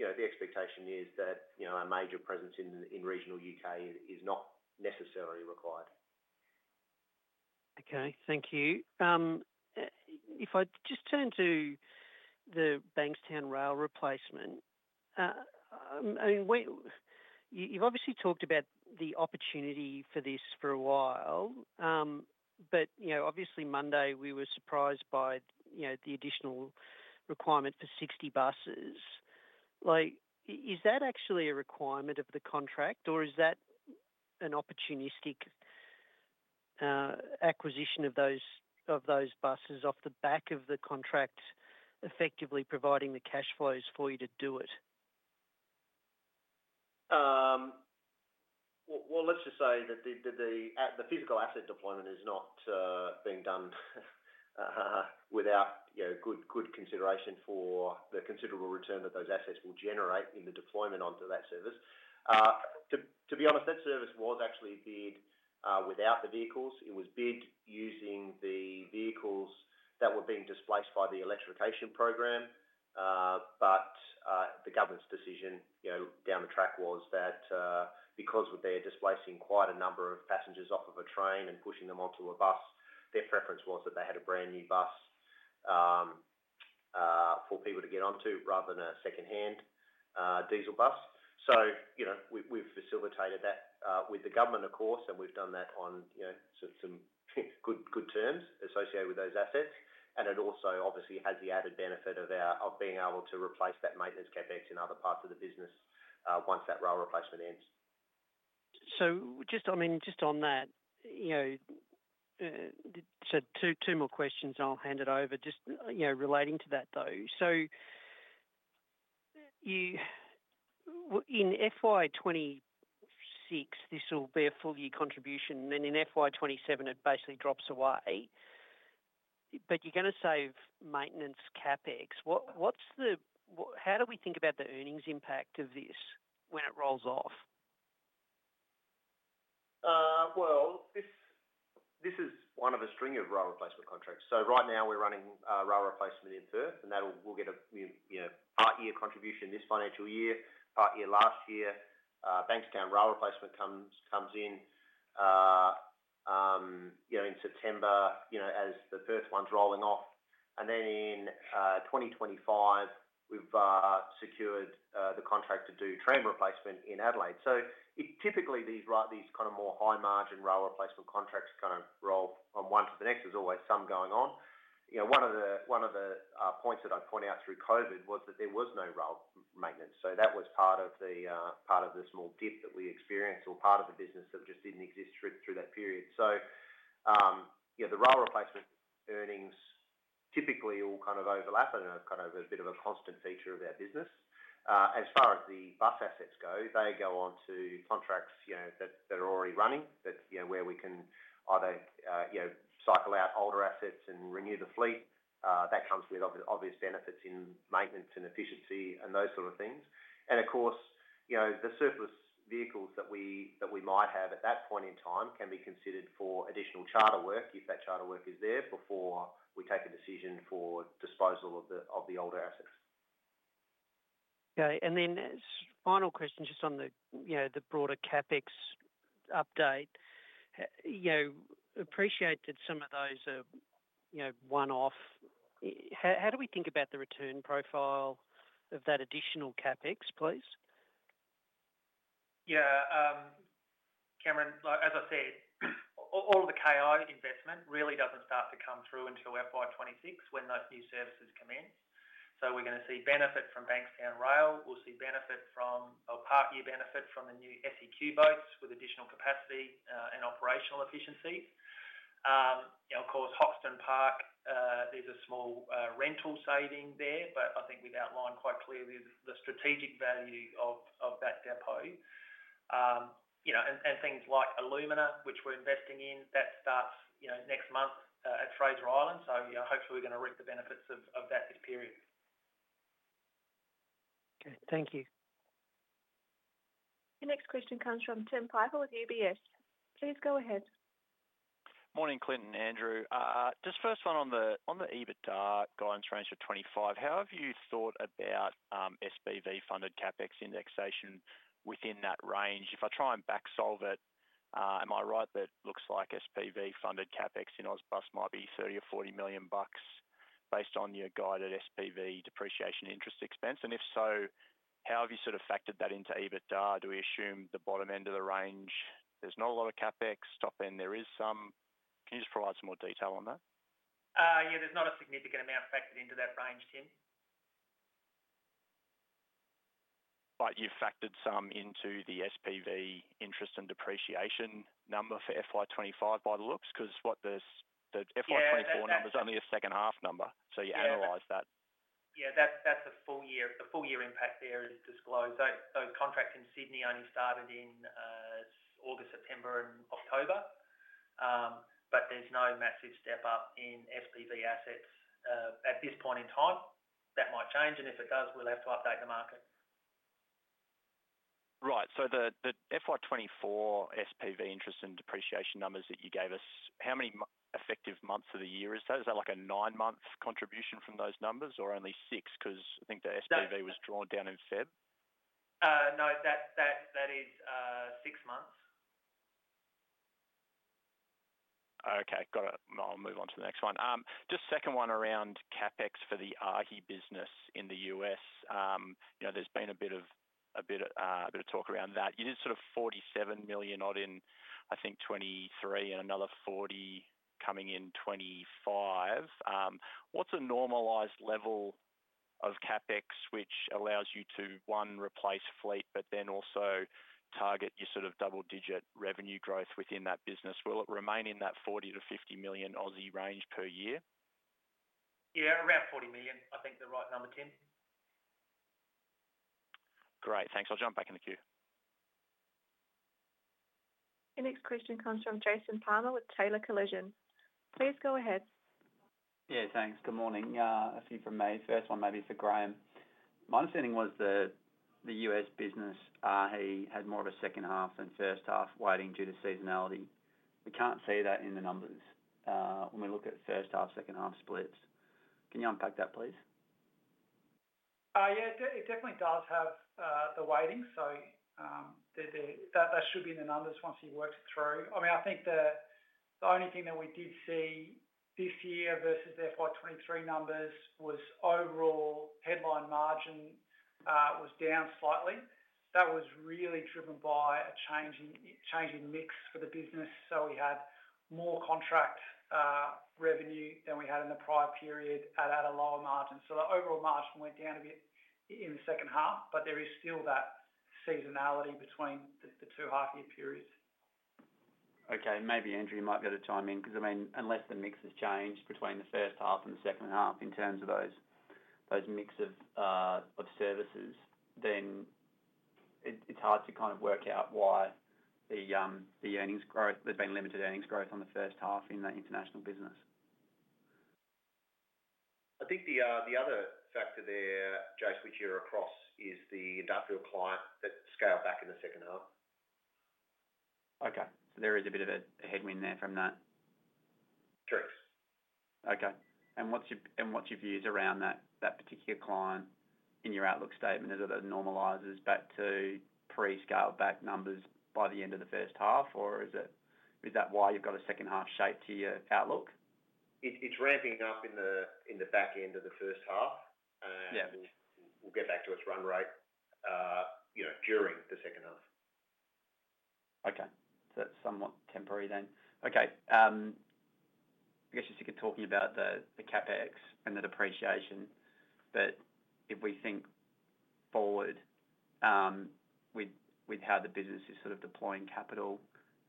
[SPEAKER 2] you know, the expectation is that, you know, a major presence in regional U.K. is not necessarily required.
[SPEAKER 6] Okay, thank you. If I just turn to the Bankstown rail replacement. I mean, we've obviously talked about the opportunity for this for a while, but, you know, obviously Monday we were surprised by, you know, the additional requirement for sixty buses. Like, is that actually a requirement of the contract, or is that an opportunistic acquisition of those buses off the back of the contract, effectively providing the cash flows for you to do it?
[SPEAKER 2] Let's just say that the physical asset deployment is not being done without, you know, good consideration for the considerable return that those assets will generate in the deployment onto that service. To be honest, that service was actually bid without the vehicles. It was bid using the vehicles that were being displaced by the electrification program, but the government's decision, you know, down the track was that because they're displacing quite a number of passengers off of a train and pushing them onto a bus, their preference was that they had a brand-new bus for people to get onto rather than a second-hand diesel bus. You know, we've facilitated that with the government, of course, and we've done that on, you know, sort of some good terms associated with those assets. And it also obviously has the added benefit of being able to replace that maintenance CapEx in other parts of the business once that rail replacement ends.
[SPEAKER 6] So just, I mean, just on that, you know, so two more questions, and I'll hand it over. Just, you know, relating to that, though. So you in FY 2026, this will be a full year contribution, and then in FY 2027, it basically drops away. But you're gonna save maintenance CapEx. What's the, how do we think about the earnings impact of this when it rolls off?
[SPEAKER 2] This is one of a string of rail replacement contracts. So right now we're running a rail replacement in Perth, and that we'll get a you know, part-year contribution this financial year, part-year last year. Bankstown rail replacement comes in you know, in September, you know, as the first one's rolling off, and then in 2025, we've secured the contract to do train replacement in Adelaide. So it typically, these kind of more high-margin rail replacement contracts kind of roll from one to the next. There's always some going on. You know, one of the points that I pointed out through COVID was that there was no rail maintenance. So that was part of the small dip that we experienced or part of the business that just didn't exist through that period. You know, the rail replacement earnings typically all kind of overlap and are kind of a bit of a constant feature of our business. As far as the bus assets go, they go on to contracts, you know, that are already running, that, you know, where we can either, you know, cycle out older assets and renew the fleet. That comes with obvious benefits in maintenance and efficiency and those sort of things. Of course, you know, the surplus vehicles that we might have at that point in time can be considered for additional charter work, if that charter work is there, before we take a decision for disposal of the older assets.
[SPEAKER 6] Okay, and then as final question, just on the, you know, the broader CapEx update. You know, appreciate that some of those are, you know, one-off. How do we think about the return profile of that additional CapEx, please?
[SPEAKER 2] Yeah, Cameron, like, as I said, all the KI investment really doesn't start to come through until FY 2026, when those new services commence. So we're going to see benefit from Bankstown Rail, we'll see benefit from or part year benefit from the new SEQ boats, with additional capacity, and operational efficiencies. You know, of course, Hoxton Park, there's a small rental saving there, but I think we've outlined quite clearly the strategic value of that depot. You know, and things like Illumina, which we're investing in, that starts next month at Fraser Island. So, you know, hopefully, we're going to reap the benefits of that this period.
[SPEAKER 6] Okay. Thank you.
[SPEAKER 1] The next question comes from Tim Chiodo with UBS. Please go ahead.
[SPEAKER 7] Morning, Clinton and Andrew. Just first one on the, on the EBITDA guidance range for 2025. How have you thought about, SPV funded CapEx indexation within that range? If I try and back solve it, am I right that looks like SPV funded CapEx in AusBus might be 30 or 40 million bucks based on your guided SPV depreciation interest expense? And if so, how have you sort of factored that into EBITDA? Do we assume the bottom end of the range, there's not a lot of CapEx, top end, there is some. Can you just provide some more detail on that?
[SPEAKER 2] Yeah, there's not a significant amount factored into that range, Tim.
[SPEAKER 7] But you've factored some into the SPV interest and depreciation number for FY 2025 by the looks, 'cause what the
[SPEAKER 2] Yeah...
[SPEAKER 7] FY 2024 number is only a second half number, so you-
[SPEAKER 2] Yeah
[SPEAKER 7] -analyze that.
[SPEAKER 2] Yeah, that's, that's a full year. The full year impact there is disclosed. So, contracts in Sydney only started in August, September, and October. But there's no massive step up in SPV assets at this point in time. That might change, and if it does, we'll have to update the market.
[SPEAKER 7] Right. So the FY 2024 SPV interest and depreciation numbers that you gave us, how many effective months of the year is that? Is that like a nine-month contribution from those numbers or only six? 'Cause I think the SPV-
[SPEAKER 2] That-
[SPEAKER 7] -was drawn down in February.
[SPEAKER 2] No, that is six months.
[SPEAKER 7] Okay, got it. I'll move on to the next one. Just second one around CapEx for the AAAHI business in the US. You know, there's been a bit of talk around that. You did sort of 47 million odd in, I think, 2023 and another 40 million coming in 2025. What's a normalized level of CapEx which allows you to, one, replace fleet, but then also target your sort of double-digit revenue growth within that business? Will it remain in that 40 million-50 million range per year?
[SPEAKER 2] Yeah, around 40 million, I think the right number, Tim.
[SPEAKER 7] Great, thanks. I'll jump back in the queue.
[SPEAKER 1] The next question comes from Jason Palmer with Taylor Collison. Please go ahead.
[SPEAKER 8] Yeah, thanks. Good morning. A few from me. First one maybe is for Graeme. My understanding was that the US business, he had more of a second half than first half weighting due to seasonality. We can't see that in the numbers, when we look at first half, second half splits. Can you unpack that, please?
[SPEAKER 3] Yeah, it definitely does have the weighting, so that should be in the numbers once you've worked it through. I mean, I think the only thing that we did see this year versus the FY 2023 numbers was overall headline margin was down slightly. That was really driven by a changing mix for the business, so we had more contract revenue than we had in the prior period at a lower margin. So the overall margin went down a bit in the second half, but there is still that seasonality between the two half year periods.
[SPEAKER 8] Okay, maybe Andrew, you might be able to chime in, 'cause I mean, unless the mix has changed between the first half and the second half in terms of those mix of services, then it's hard to kind of work out why the earnings growth. There's been limited earnings growth on the first half in the international business.
[SPEAKER 4] I think the other factor there, Jason, which you're across, is the Adelaide client that scaled back in the second half.
[SPEAKER 8] Okay. So there is a bit of a headwind there from that?
[SPEAKER 4] Correct.
[SPEAKER 8] Okay. And what's your views around that particular client in your outlook statement as it normalizes back to pre-scaled back numbers by the end of the first half? Or is that why you've got a second half shape to your outlook?
[SPEAKER 2] It's ramping up in the back end of the first half.
[SPEAKER 8] Yeah.
[SPEAKER 4] And we'll get back to its run rate, you know, during the second half....
[SPEAKER 8] Okay, so that's somewhat temporary then. Okay, I guess you're sick of talking about the CapEx and the depreciation, but if we think forward, with how the business is sort of deploying capital,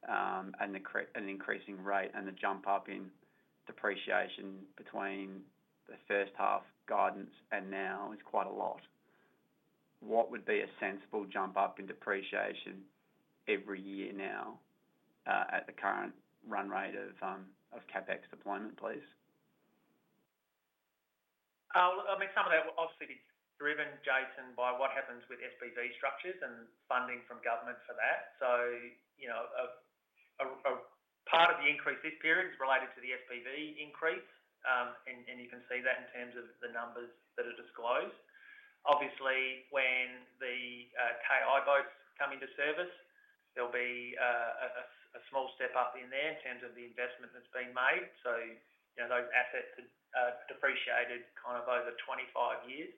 [SPEAKER 8] and the increasing rate and the jump up in depreciation between the first half guidance and now is quite a lot. What would be a sensible jump up in depreciation every year now, at the current run rate of CapEx deployment, please?
[SPEAKER 4] I mean, some of that will obviously be driven, Jason, by what happens with SPV structures and funding from government for that. So, you know, a part of the increase this period is related to the SPV increase, and you can see that in terms of the numbers that are disclosed. Obviously, when the KI boats come into service, there'll be a small step up in there in terms of the investment that's been made. So, you know, those assets are depreciated kind of over 25 years.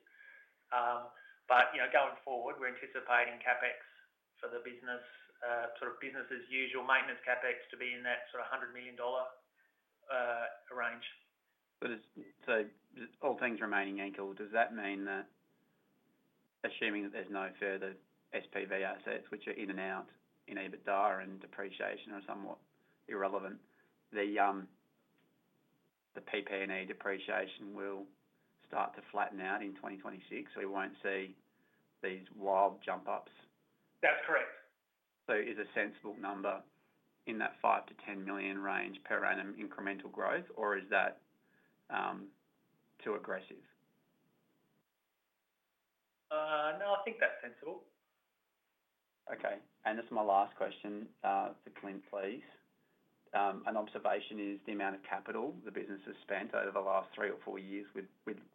[SPEAKER 4] But, you know, going forward, we're anticipating CapEx for the business, sort of business as usual maintenance CapEx to be in that sort of 100 million dollar range.
[SPEAKER 8] So all things remaining equal, does that mean that assuming that there's no further SPV assets which are in and out in EBITDA and depreciation are somewhat irrelevant, the PP&E depreciation will start to flatten out in 2026, so we won't see these wild jump ups?
[SPEAKER 4] That's correct.
[SPEAKER 8] So is a sensible number in that 5-10 million range per annum incremental growth, or is that too aggressive?
[SPEAKER 4] No, I think that's sensible.
[SPEAKER 8] Okay, and this is my last question to Clint, please. An observation is the amount of capital the business has spent over the last three or four years with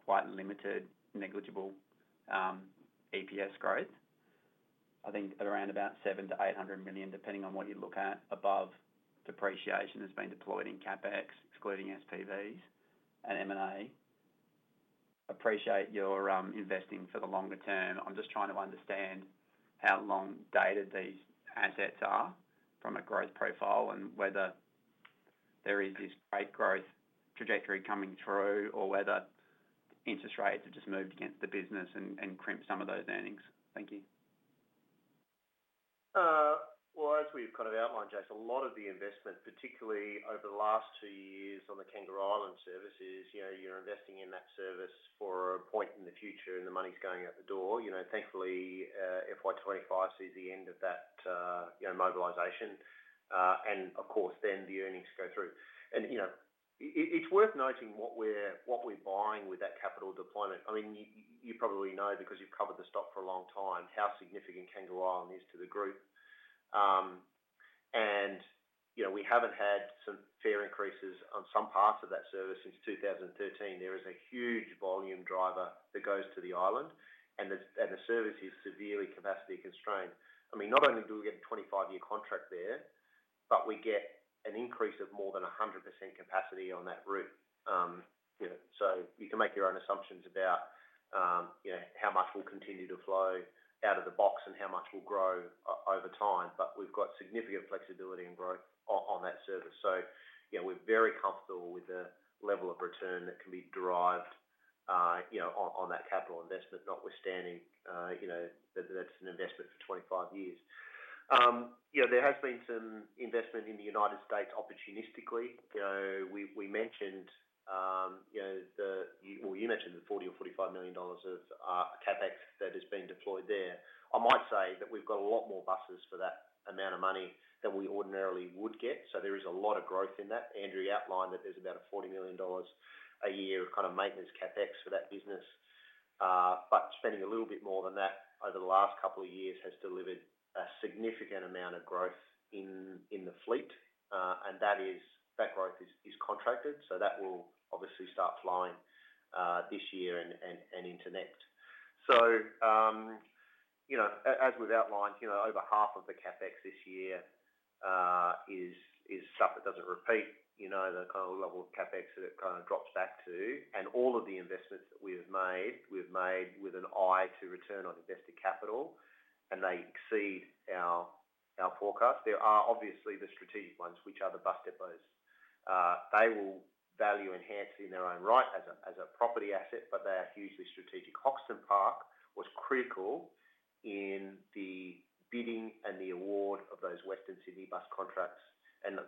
[SPEAKER 8] quite limited, negligible, EPS growth. I think at around about 700-800 million, depending on what you look at, above depreciation has been deployed in CapEx, excluding SPVs and M&A. Appreciate your investing for the longer term. I'm just trying to understand how long dated these assets are from a growth profile and whether there is this great growth trajectory coming through, or whether interest rates have just moved against the business and crimped some of those earnings. Thank you.
[SPEAKER 2] As we've kind of outlined, Jason, a lot of the investment, particularly over the last two years on the Kangaroo Island services, you know, you're investing in that service for a point in the future, and the money's going out the door. You know, thankfully, FY 2025 sees the end of that, you know, mobilization. And of course, then the earnings go through. You know, it's worth noting what we're buying with that capital deployment. I mean, you probably know because you've covered the stock for a long time, how significant Kangaroo Island is to the group. And you know, we haven't had some fare increases on some parts of that service since two thousand and thirteen. There is a huge volume driver that goes to the island, and the service is severely capacity constrained. I mean, not only do we get a 25-year contract there, but we get an increase of more than 100% capacity on that route. You know, so you can make your own assumptions about, you know, how much will continue to flow out of the box and how much will grow over time, but we've got significant flexibility and growth on that service. So, you know, we're very comfortable with the level of return that can be derived, you know, on that capital investment, notwithstanding, you know, that that's an investment for 25 years. You know, there has been some investment in the United States opportunistically. You know, we mentioned, you know. Well, you mentioned the $40 million or $45 million of CapEx that has been deployed there. I might say that we've got a lot more buses for that amount of money than we ordinarily would get, so there is a lot of growth in that. Andrew outlined that there's about 40 million dollars a year of kind of maintenance CapEx for that business, but spending a little bit more than that over the last couple of years has delivered a significant amount of growth in the fleet, and that growth is contracted, so that will obviously start flying this year and into next. So, as we've outlined, you know, over half of the CapEx this year is stuff that doesn't repeat, you know, the kind of level of CapEx that it kind of drops back to. All of the investments that we've made, we've made with an eye to return on invested capital, and they exceed our forecast. There are obviously the strategic ones, which are the bus depots. They will value enhance in their own right as a property asset, but they are hugely strategic. Hoxton Park was critical in the bidding and the award of those Western Sydney bus contracts, and,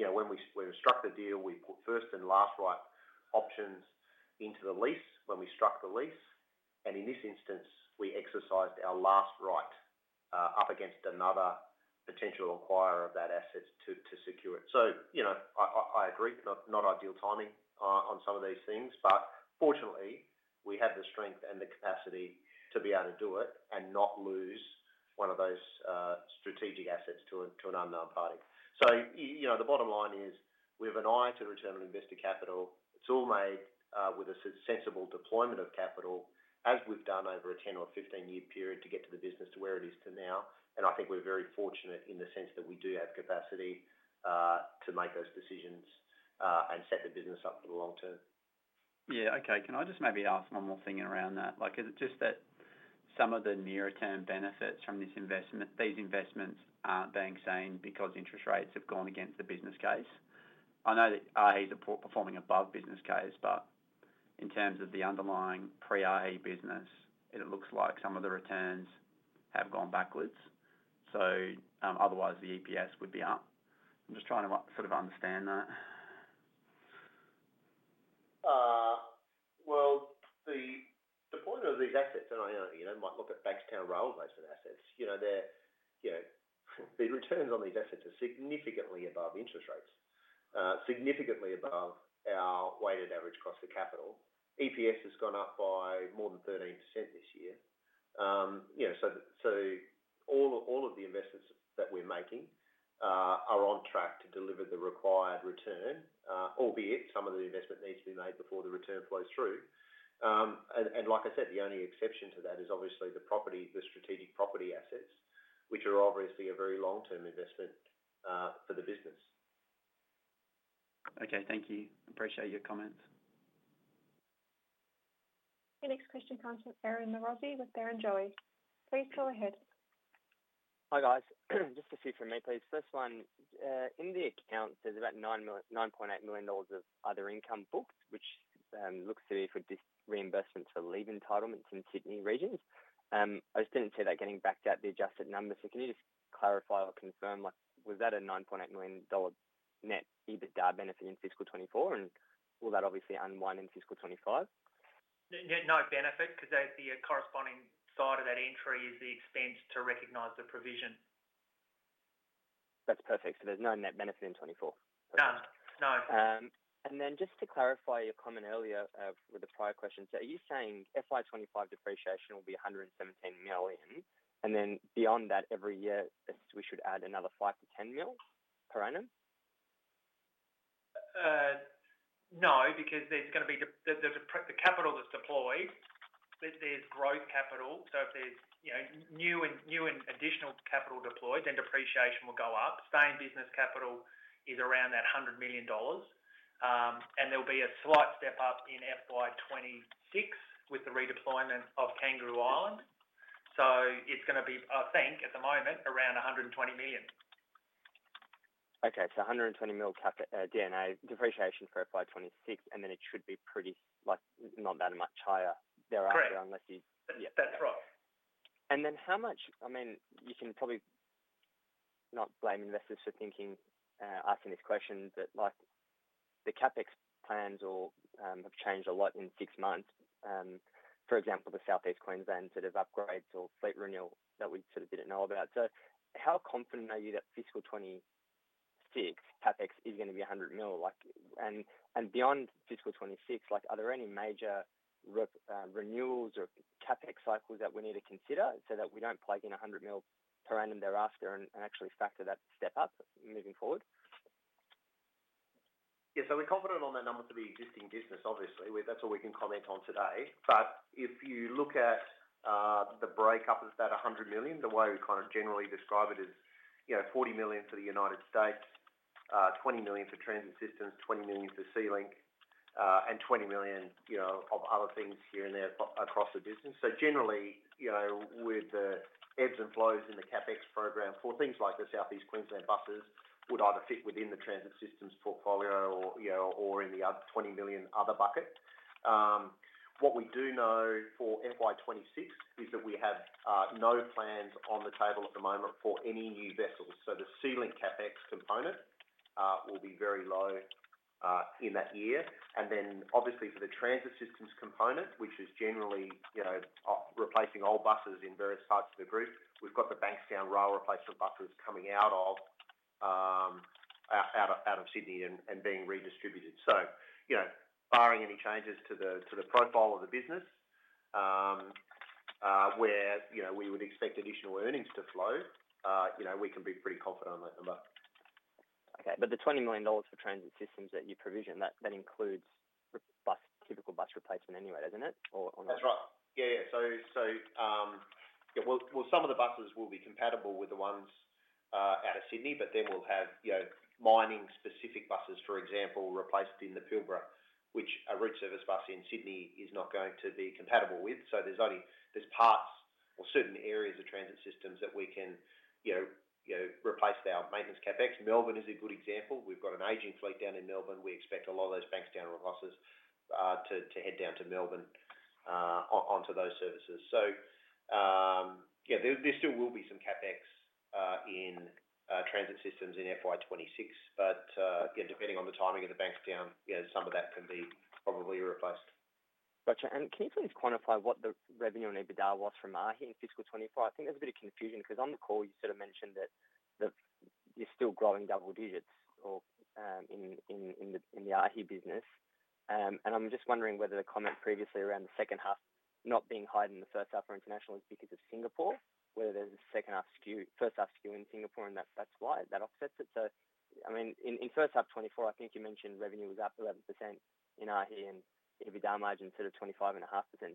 [SPEAKER 2] you know, when we struck the deal, we put first and last right options into the lease, when we struck the lease, and in this instance, we exercised our last right up against another potential acquirer of that asset to secure it. So, you know, I agree, not ideal timing on some of these things, but fortunately, we have the strength and the capacity to be able to do it and not lose one of those strategic assets to an unknown party. You know, the bottom line is, we have an eye to return on invested capital. It's all made with a sensible deployment of capital, as we've done over a 10- or 15-year period, to get the business to where it is now. And I think we're very fortunate in the sense that we do have capacity to make those decisions and set the business up for the long term....
[SPEAKER 8] Yeah. Okay, can I just maybe ask one more thing around that? Like, is it just that some of the near-term benefits from this investment, these investments aren't being seen because interest rates have gone against the business case? I know that RE are performing above business case, but in terms of the underlying pre-RE business, it looks like some of the returns have gone backwards, so, otherwise the EPS would be up. I'm just trying to sort of understand that.
[SPEAKER 2] Well, the point of these assets, and I, you know, might look at Bankstown railway for assets, you know, they're, you know, the returns on these assets are significantly above interest rates, significantly above our weighted average cost of capital. EPS has gone up by more than 13% this year. Yeah, so all of the investments that we're making are on track to deliver the required return, albeit some of the investment needs to be made before the return flows through. And like I said, the only exception to that is obviously the property, the strategic property assets, which are obviously a very long-term investment for the business.
[SPEAKER 8] Okay, thank you. Appreciate your comments.
[SPEAKER 1] The next question comes from Aaron Iavrissi with Barrenjoey. Please go ahead.
[SPEAKER 9] Hi, guys. Just a few from me, please. First one, in the accounts, there's about 9 million, 9.8 million dollars of other income booked, which looks to be for reimbursements for leave entitlements in Sydney regions. I just didn't see that getting backed out the adjusted numbers. So can you just clarify or confirm, like, was that a 9.8 million dollar net EBITDA benefit in fiscal 2024, and will that obviously unwind in fiscal 2025?
[SPEAKER 2] No benefit, 'cause that's the corresponding side of that entry is the expense to recognize the provision.
[SPEAKER 9] That's perfect. So there's no net benefit in 2024?
[SPEAKER 2] None. No.
[SPEAKER 9] And then just to clarify your comment earlier, with the prior questions, are you saying FY 2025 depreciation will be 117 million, and then beyond that, every year, we should add another 5-10 million per annum?
[SPEAKER 2] No, because there's gonna be the capital that's deployed, there's growth capital. So if there's, you know, new and additional capital deployed, then depreciation will go up. Sustaining business capital is around 100 million dollars. And there'll be a slight step up in FY 2026 with the redeployment of Kangaroo Island, so it's gonna be, I think, at the moment, around 120 million.
[SPEAKER 9] Okay, so 120 million cap and a depreciation for FY 2026, and then it should be pretty, like, not that much higher thereafter-
[SPEAKER 2] Correct.
[SPEAKER 9] Unless you-
[SPEAKER 2] That's right.
[SPEAKER 9] Then how much, I mean, you can probably not blame investors for thinking, asking this question, but like, the CapEx plans or have changed a lot in six months. For example, the Southeast Queensland sort of upgrades or fleet renewal that we sort of didn't know about. So how confident are you that fiscal 2026 CapEx is gonna be 100 million? Like, and beyond fiscal 2026, like, are there any major renewals or CapEx cycles that we need to consider so that we don't plug in 100 million per annum thereafter and actually factor that step up moving forward?
[SPEAKER 2] Yeah, so we're confident on that number to be existing business, obviously. That's all we can comment on today. But if you look at the breakup of that 100 million, the way we kind of generally describe it is, you know, 40 million to the United States, 20 million to Transit Systems, 20 million to SeaLink, and 20 million, you know, of other things here and there across the business. So generally, you know, with the ebbs and flows in the CapEx program for things like the Southeast Queensland buses would either fit within the Transit Systems portfolio or, you know, or in the other 20 million bucket. What we do know for FY 2026 is that we have no plans on the table at the moment for any new vessels. So the SeaLink CapEx component will be very low in that year. And then obviously for the Transit Systems component, which is generally, you know, replacing old buses in various parts of the group, we've got the Bankstown Rail Replacement buses coming out of Sydney and being redistributed. So, you know, barring any changes to the profile of the business, where, you know, we would expect additional earnings to flow, you know, we can be pretty confident on that number.
[SPEAKER 9] Okay. But the 20 million dollars for Transit Systems that you provision, that includes the typical bus replacement anyway, doesn't it? Or-
[SPEAKER 2] That's right. Yeah. So, well, some of the buses will be compatible with the ones out of Sydney, but then we'll have, you know, mining-specific buses, for example, replaced in the Pilbara, which a route service bus in Sydney is not going to be compatible with. So there's only parts or certain areas of transit systems that we can, you know, replace our maintenance CapEx. Melbourne is a good example. We've got an aging fleet down in Melbourne. We expect a lot of those Bankstown buses to head down to Melbourne onto those services. So, yeah, there still will be some CapEx in transit systems in FY 2026, but yeah, depending on the timing of the Bankstown, yeah, some of that can be probably replaced.
[SPEAKER 9] Got you, and can you please quantify what the revenue and EBITDA was from AAAHI in fiscal 2024? I think there's a bit of confusion, 'cause on the call you sort of mentioned that you're still growing double digits or in the AAAHI business. And I'm just wondering whether the comment previously around the second half not being higher than the first half for international is because of Singapore, where there's a second-half skew, first-half skew in Singapore, and that's why that offsets it. So, I mean, in first half 2024, I think you mentioned revenue was up 11% in AAAHI, and EBITDA margin sit at 25.5%.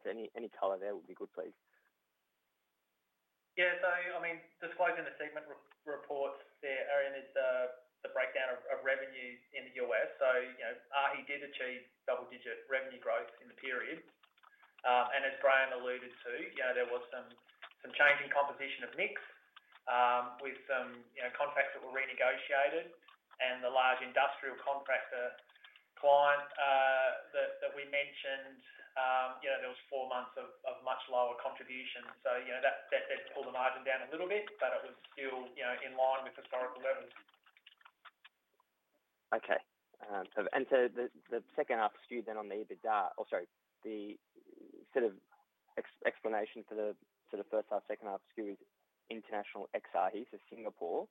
[SPEAKER 9] Any color there would be good, please....
[SPEAKER 3] Yeah, so I mean, disclosing the segment re-report there, Aaron, is the breakdown of revenue in the U.S. So, you know, AAAHI did achieve double-digit revenue growth in the period. And as Graeme alluded to, you know, there was some change in composition of mix, with some contracts that were renegotiated and the large industrial contractor client that we mentioned, you know, there was four months of much lower contribution. So, you know, that did pull the margin down a little bit, but it was still, you know, in line with historical levels.
[SPEAKER 9] Okay. So, the second half skew then on the EBITDA, or sorry, the sort of explanation for the first half, second half skew is international ex-AAAHI, so Singapore.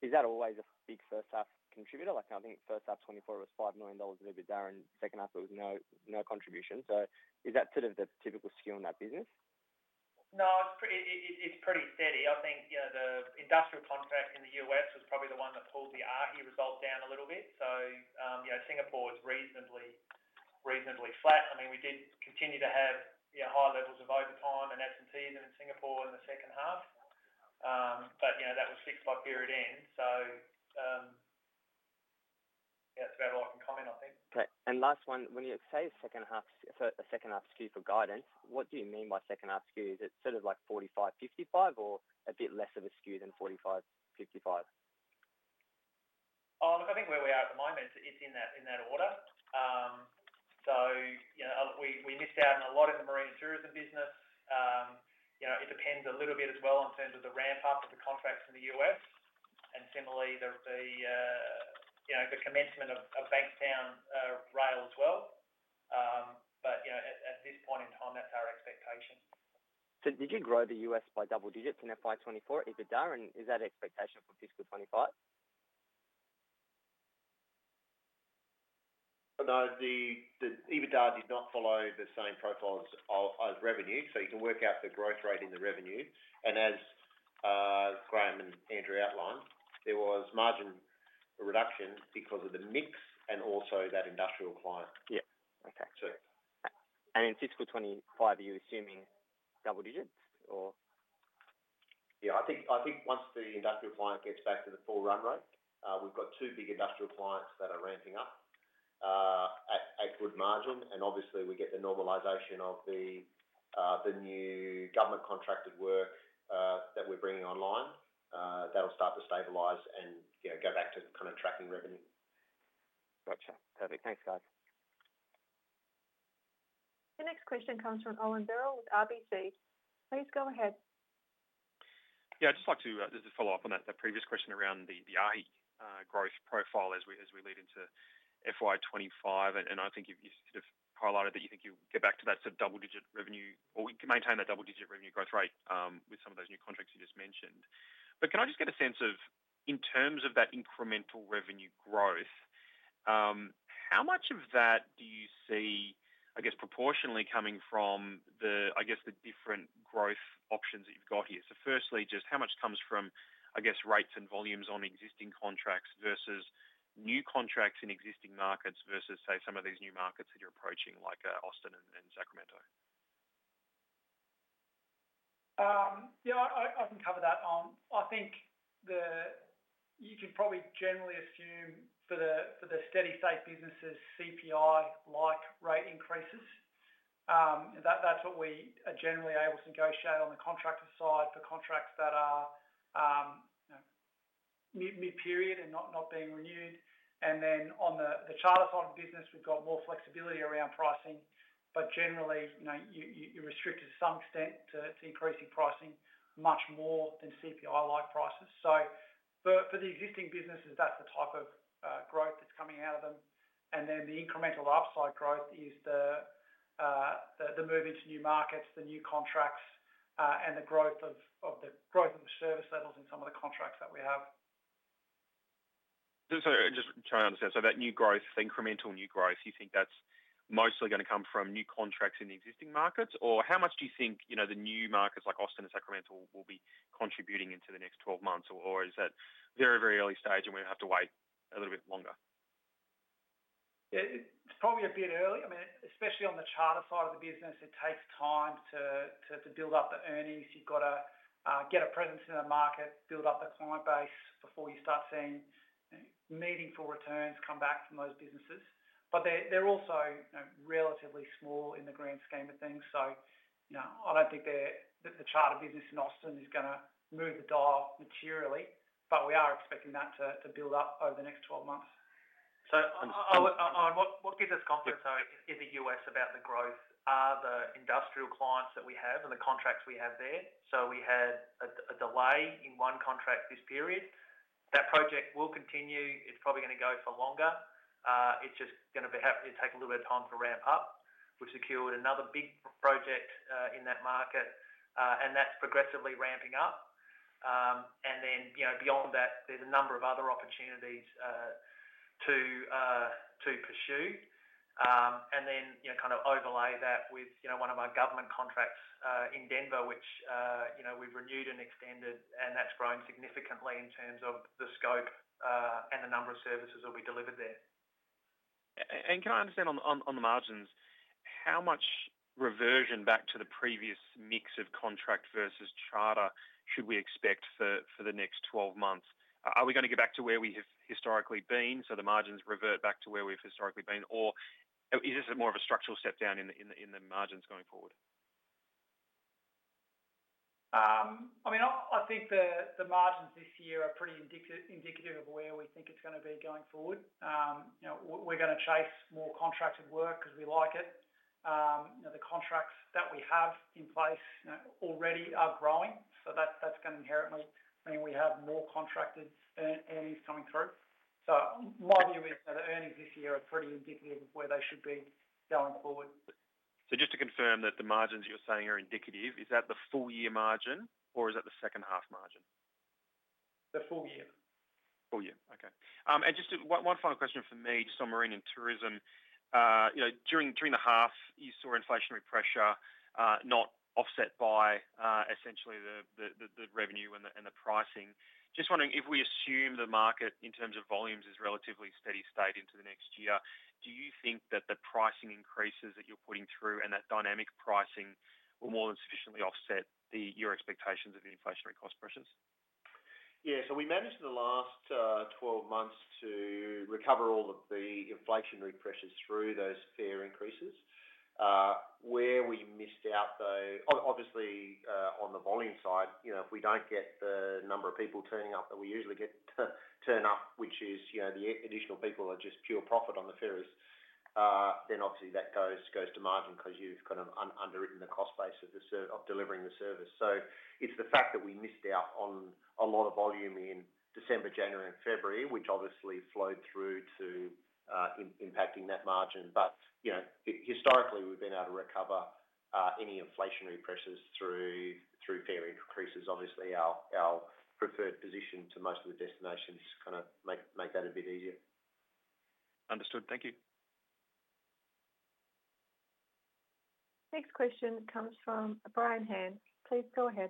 [SPEAKER 9] Is that always a big first half contributor? Like, I think first half 2024 was 5 million dollars in EBITDA, and second half it was no contribution. So is that sort of the typical skew in that business?
[SPEAKER 3] No, it's pretty steady. I think, you know, the industrial contract in the U.S. was probably the one that pulled the AAAHI result down a little bit. So, you know, Singapore was reasonably flat. I mean, we did continue to have, you know, high levels of overtime and absenteeism in Singapore in the second half. But, you know, that was fixed by period end, so, yeah, that's about all I can comment, I think.
[SPEAKER 9] Okay, and last one. When you say second half, so a second half skew for guidance, what do you mean by second half skew? Is it sort of like 45-55, or a bit less of a skew than 45-55?
[SPEAKER 3] Oh, look, I think where we are at the moment, it's in that order, so you know, we missed out on a lot of the marine and tourism business. You know, it depends a little bit as well in terms of the ramp-up of the contracts in the US, and similarly, the commencement of Bankstown rail as well, but you know, at this point in time, that's our expectation.
[SPEAKER 9] So did you grow the U.S. by double digits in FY 2024 EBITDA, and is that expectation for fiscal 2025?
[SPEAKER 2] No, the EBITDA did not follow the same profile as revenue, so you can work out the growth rate in the revenue. And as Graeme and Andrew outlined, there was margin reduction because of the mix and also that industrial client.
[SPEAKER 9] Yeah. Okay.
[SPEAKER 2] So-
[SPEAKER 9] In fiscal 2025, are you assuming double digits or?
[SPEAKER 2] Yeah, I think once the industrial client gets back to the full run rate, we've got two big industrial clients that are ramping up at good margin, and obviously, we get the normalization of the new government contracted work that we're bringing online. That'll start to stabilize and, you know, go back to kind of tracking revenue.
[SPEAKER 9] Gotcha. Perfect. Thanks, guys.
[SPEAKER 1] The next question comes from Owen Birrell with RBC. Please go ahead.
[SPEAKER 10] Yeah, I'd just like to follow up on that, the previous question around the RHE growth profile as we lead into FY 2025, and I think you sort of highlighted that you think you'll get back to that sort of double-digit revenue, or we can maintain that double-digit revenue growth rate, with some of those new contracts you just mentioned. But can I just get a sense of, in terms of that incremental revenue growth, how much of that do you see, I guess, proportionally coming from the, I guess, the different growth options that you've got here? So firstly, just how much comes from, I guess, rates and volumes on existing contracts versus new contracts in existing markets versus, say, some of these new markets that you're approaching, like Austin and Sacramento?
[SPEAKER 3] Yeah, I can cover that. I think you can probably generally assume for the steady state businesses, CPI-like rate increases. That's what we are generally able to negotiate on the contractor side for contracts that are, you know, mid-period and not being renewed. And then on the charter side of the business, we've got more flexibility around pricing, but generally, you know, you're restricted to some extent to increasing pricing much more than CPI-like prices. So for the existing businesses, that's the type of growth that's coming out of them. And then the incremental upside growth is the move into new markets, the new contracts, and the growth of the service levels in some of the contracts that we have.
[SPEAKER 10] So, so just trying to understand. So that new growth, the incremental new growth, you think that's mostly gonna come from new contracts in the existing markets? Or how much do you think, you know, the new markets like Austin and Sacramento will be contributing into the next twelve months, or, or is that very, very early stage, and we have to wait a little bit longer?
[SPEAKER 3] Yeah, it's probably a bit early. I mean, especially on the charter side of the business, it takes time to build up the earnings. You've got to get a presence in the market, build up a client base before you start seeing meaningful returns come back from those businesses. But they're also, you know, relatively small in the grand scheme of things, so, you know, I don't think the charter business in Austin is gonna move the dial materially, but we are expecting that to build up over the next 12 months.
[SPEAKER 2] So, Owen, what gives us confidence, so in the U.S., about the growth are the industrial clients that we have and the contracts we have there. So we had a delay in one contract this period. That project will continue. It's probably gonna go for longer. It's just gonna take a little bit of time to ramp up. We've secured another big project in that market, and that's progressively ramping up. And then, you know, beyond that, there's a number of other opportunities to pursue. And then, you know, kind of overlay that with one of our government contracts in Denver, which, you know, we've renewed and extended, and that's grown significantly in terms of the scope and the number of services that we delivered there. ...
[SPEAKER 10] And can I understand on the margins, how much reversion back to the previous mix of contract versus charter should we expect for the next 12 months? Are we going to get back to where we have historically been, so the margins revert back to where we've historically been? Or is this more of a structural step down in the margins going forward?
[SPEAKER 2] I mean, I think the margins this year are pretty indicative of where we think it's going to be going forward. You know, we're gonna chase more contracted work because we like it. You know, the contracts that we have in place, you know, already are growing, so that's going to inherently mean we have more contracted earnings coming through. So my view is that the earnings this year are pretty indicative of where they should be going forward.
[SPEAKER 10] So just to confirm that the margins you're saying are indicative, is that the full year margin or is that the second half margin?
[SPEAKER 2] The full year.
[SPEAKER 10] Full year. Okay. And just one final question from me, just on marine and tourism. You know, during the half, you saw inflationary pressure, not offset by essentially the revenue and the pricing. Just wondering if we assume the market in terms of volumes is relatively steady state into the next year, do you think that the pricing increases that you're putting through and that dynamic pricing will more than sufficiently offset your expectations of the inflationary cost pressures?
[SPEAKER 2] Yeah. So we managed for the last 12 months to recover all of the inflationary pressures through those fare increases. Where we missed out, though, obviously, on the volume side, you know, if we don't get the number of people turning up that we usually get to turn up, which is, you know, the additional people are just pure profit on the fares, then obviously that goes to margin because you've kind of underwritten the cost base of delivering the service. So it's the fact that we missed out on a lot of volume in December, January, and February, which obviously flowed through to impacting that margin. But, you know, historically, we've been able to recover any inflationary pressures through fare increases. Obviously, our preferred position to most of the destinations kind of make that a bit easier.
[SPEAKER 10] Understood. Thank you.
[SPEAKER 1] Next question comes from Brian Han. Please go ahead.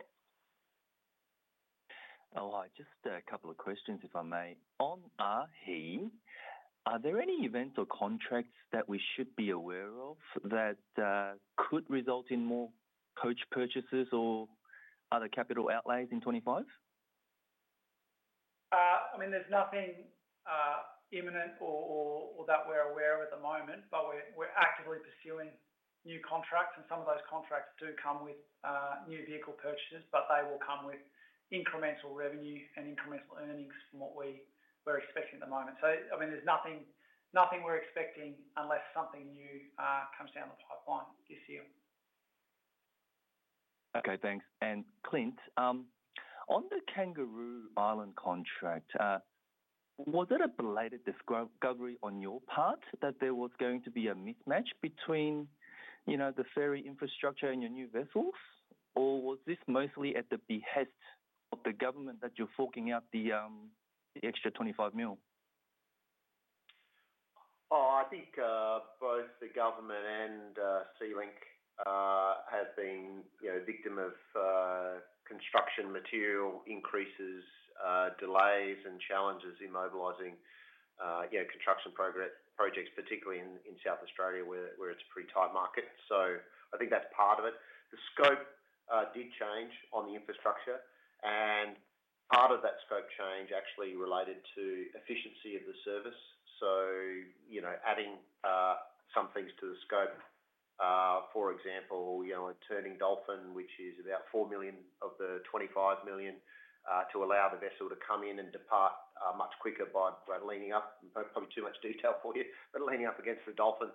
[SPEAKER 11] Hello. Just a couple of questions, if I may. On AAAHI, are there any events or contracts that we should be aware of that could result in more coach purchases or other capital outlays in 2025?
[SPEAKER 2] I mean, there's nothing imminent or that we're aware of at the moment, but we're actively pursuing new contracts, and some of those contracts do come with new vehicle purchases, but they will come with incremental revenue and incremental earnings from what we're expecting at the moment. So, I mean, there's nothing we're expecting unless something new comes down the pipeline this year.
[SPEAKER 11] Okay, thanks. And Clint, on the Kangaroo Island contract, was it a belated discovery on your part that there was going to be a mismatch between, you know, the ferry infrastructure and your new vessels? Or was this mostly at the behest of the government that you're forking out the extra 25 million?
[SPEAKER 2] Oh, I think both the government and SeaLink have been, you know, victim of construction material increases, delays and challenges in mobilizing, you know, construction projects, particularly in South Australia, where it's a pretty tight market. So I think that's part of it. The scope did change on the infrastructure, and part of that scope change actually related to efficiency of the service. So, you know, adding some things to the scope, for example, you know, a turning dolphin, which is about 4 million of the 25 million, to allow the vessel to come in and depart much quicker by leaning up. Probably too much detail for you, but leaning up against the dolphin,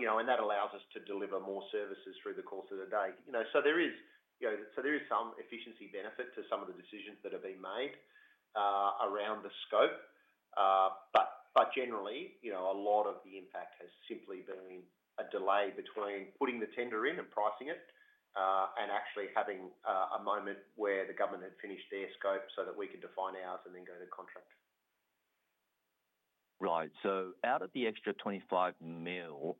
[SPEAKER 2] you know, and that allows us to deliver more services through the course of the day. You know, so there is some efficiency benefit to some of the decisions that have been made around the scope. But generally, you know, a lot of the impact has simply been a delay between putting the tender in and pricing it, and actually having a moment where the government had finished their scope so that we could define ours and then go to contract.
[SPEAKER 11] Right. So out of the extra 25 million,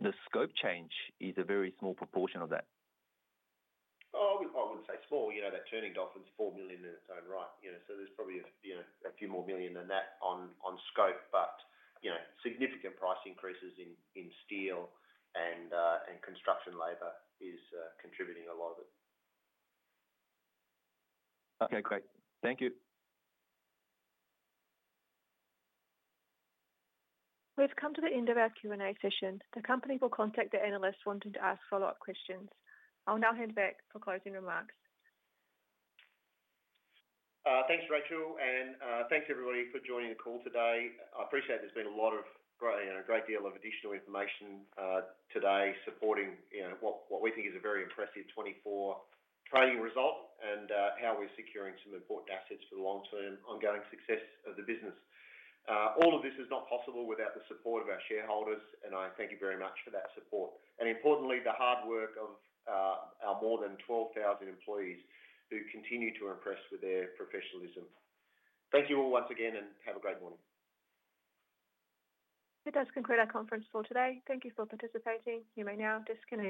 [SPEAKER 11] the scope change is a very small proportion of that?
[SPEAKER 2] Oh, I wouldn't say small. You know, that turning dolphin is 4 million in its own right, you know, so there's probably a, you know, a few more million than that on scope, but, you know, significant price increases in steel and construction labor is contributing a lot of it.
[SPEAKER 11] Okay, great. Thank you.
[SPEAKER 1] We've come to the end of our Q&A session. The company will contact the analyst wanting to ask follow-up questions. I'll now hand back for closing remarks.
[SPEAKER 2] Thanks, Rachel, and thanks everybody for joining the call today. I appreciate there's been a lot of, you know, a great deal of additional information today, supporting, you know, what we think is a very impressive 24 trading result and how we're securing some important assets for the long-term ongoing success of the business. All of this is not possible without the support of our shareholders, and I thank you very much for that support. And importantly, the hard work of our more than 12,000 employees who continue to impress with their professionalism. Thank you all once again, and have a great morning.
[SPEAKER 1] That does conclude our conference call today. Thank you for participating. You may now disconnect.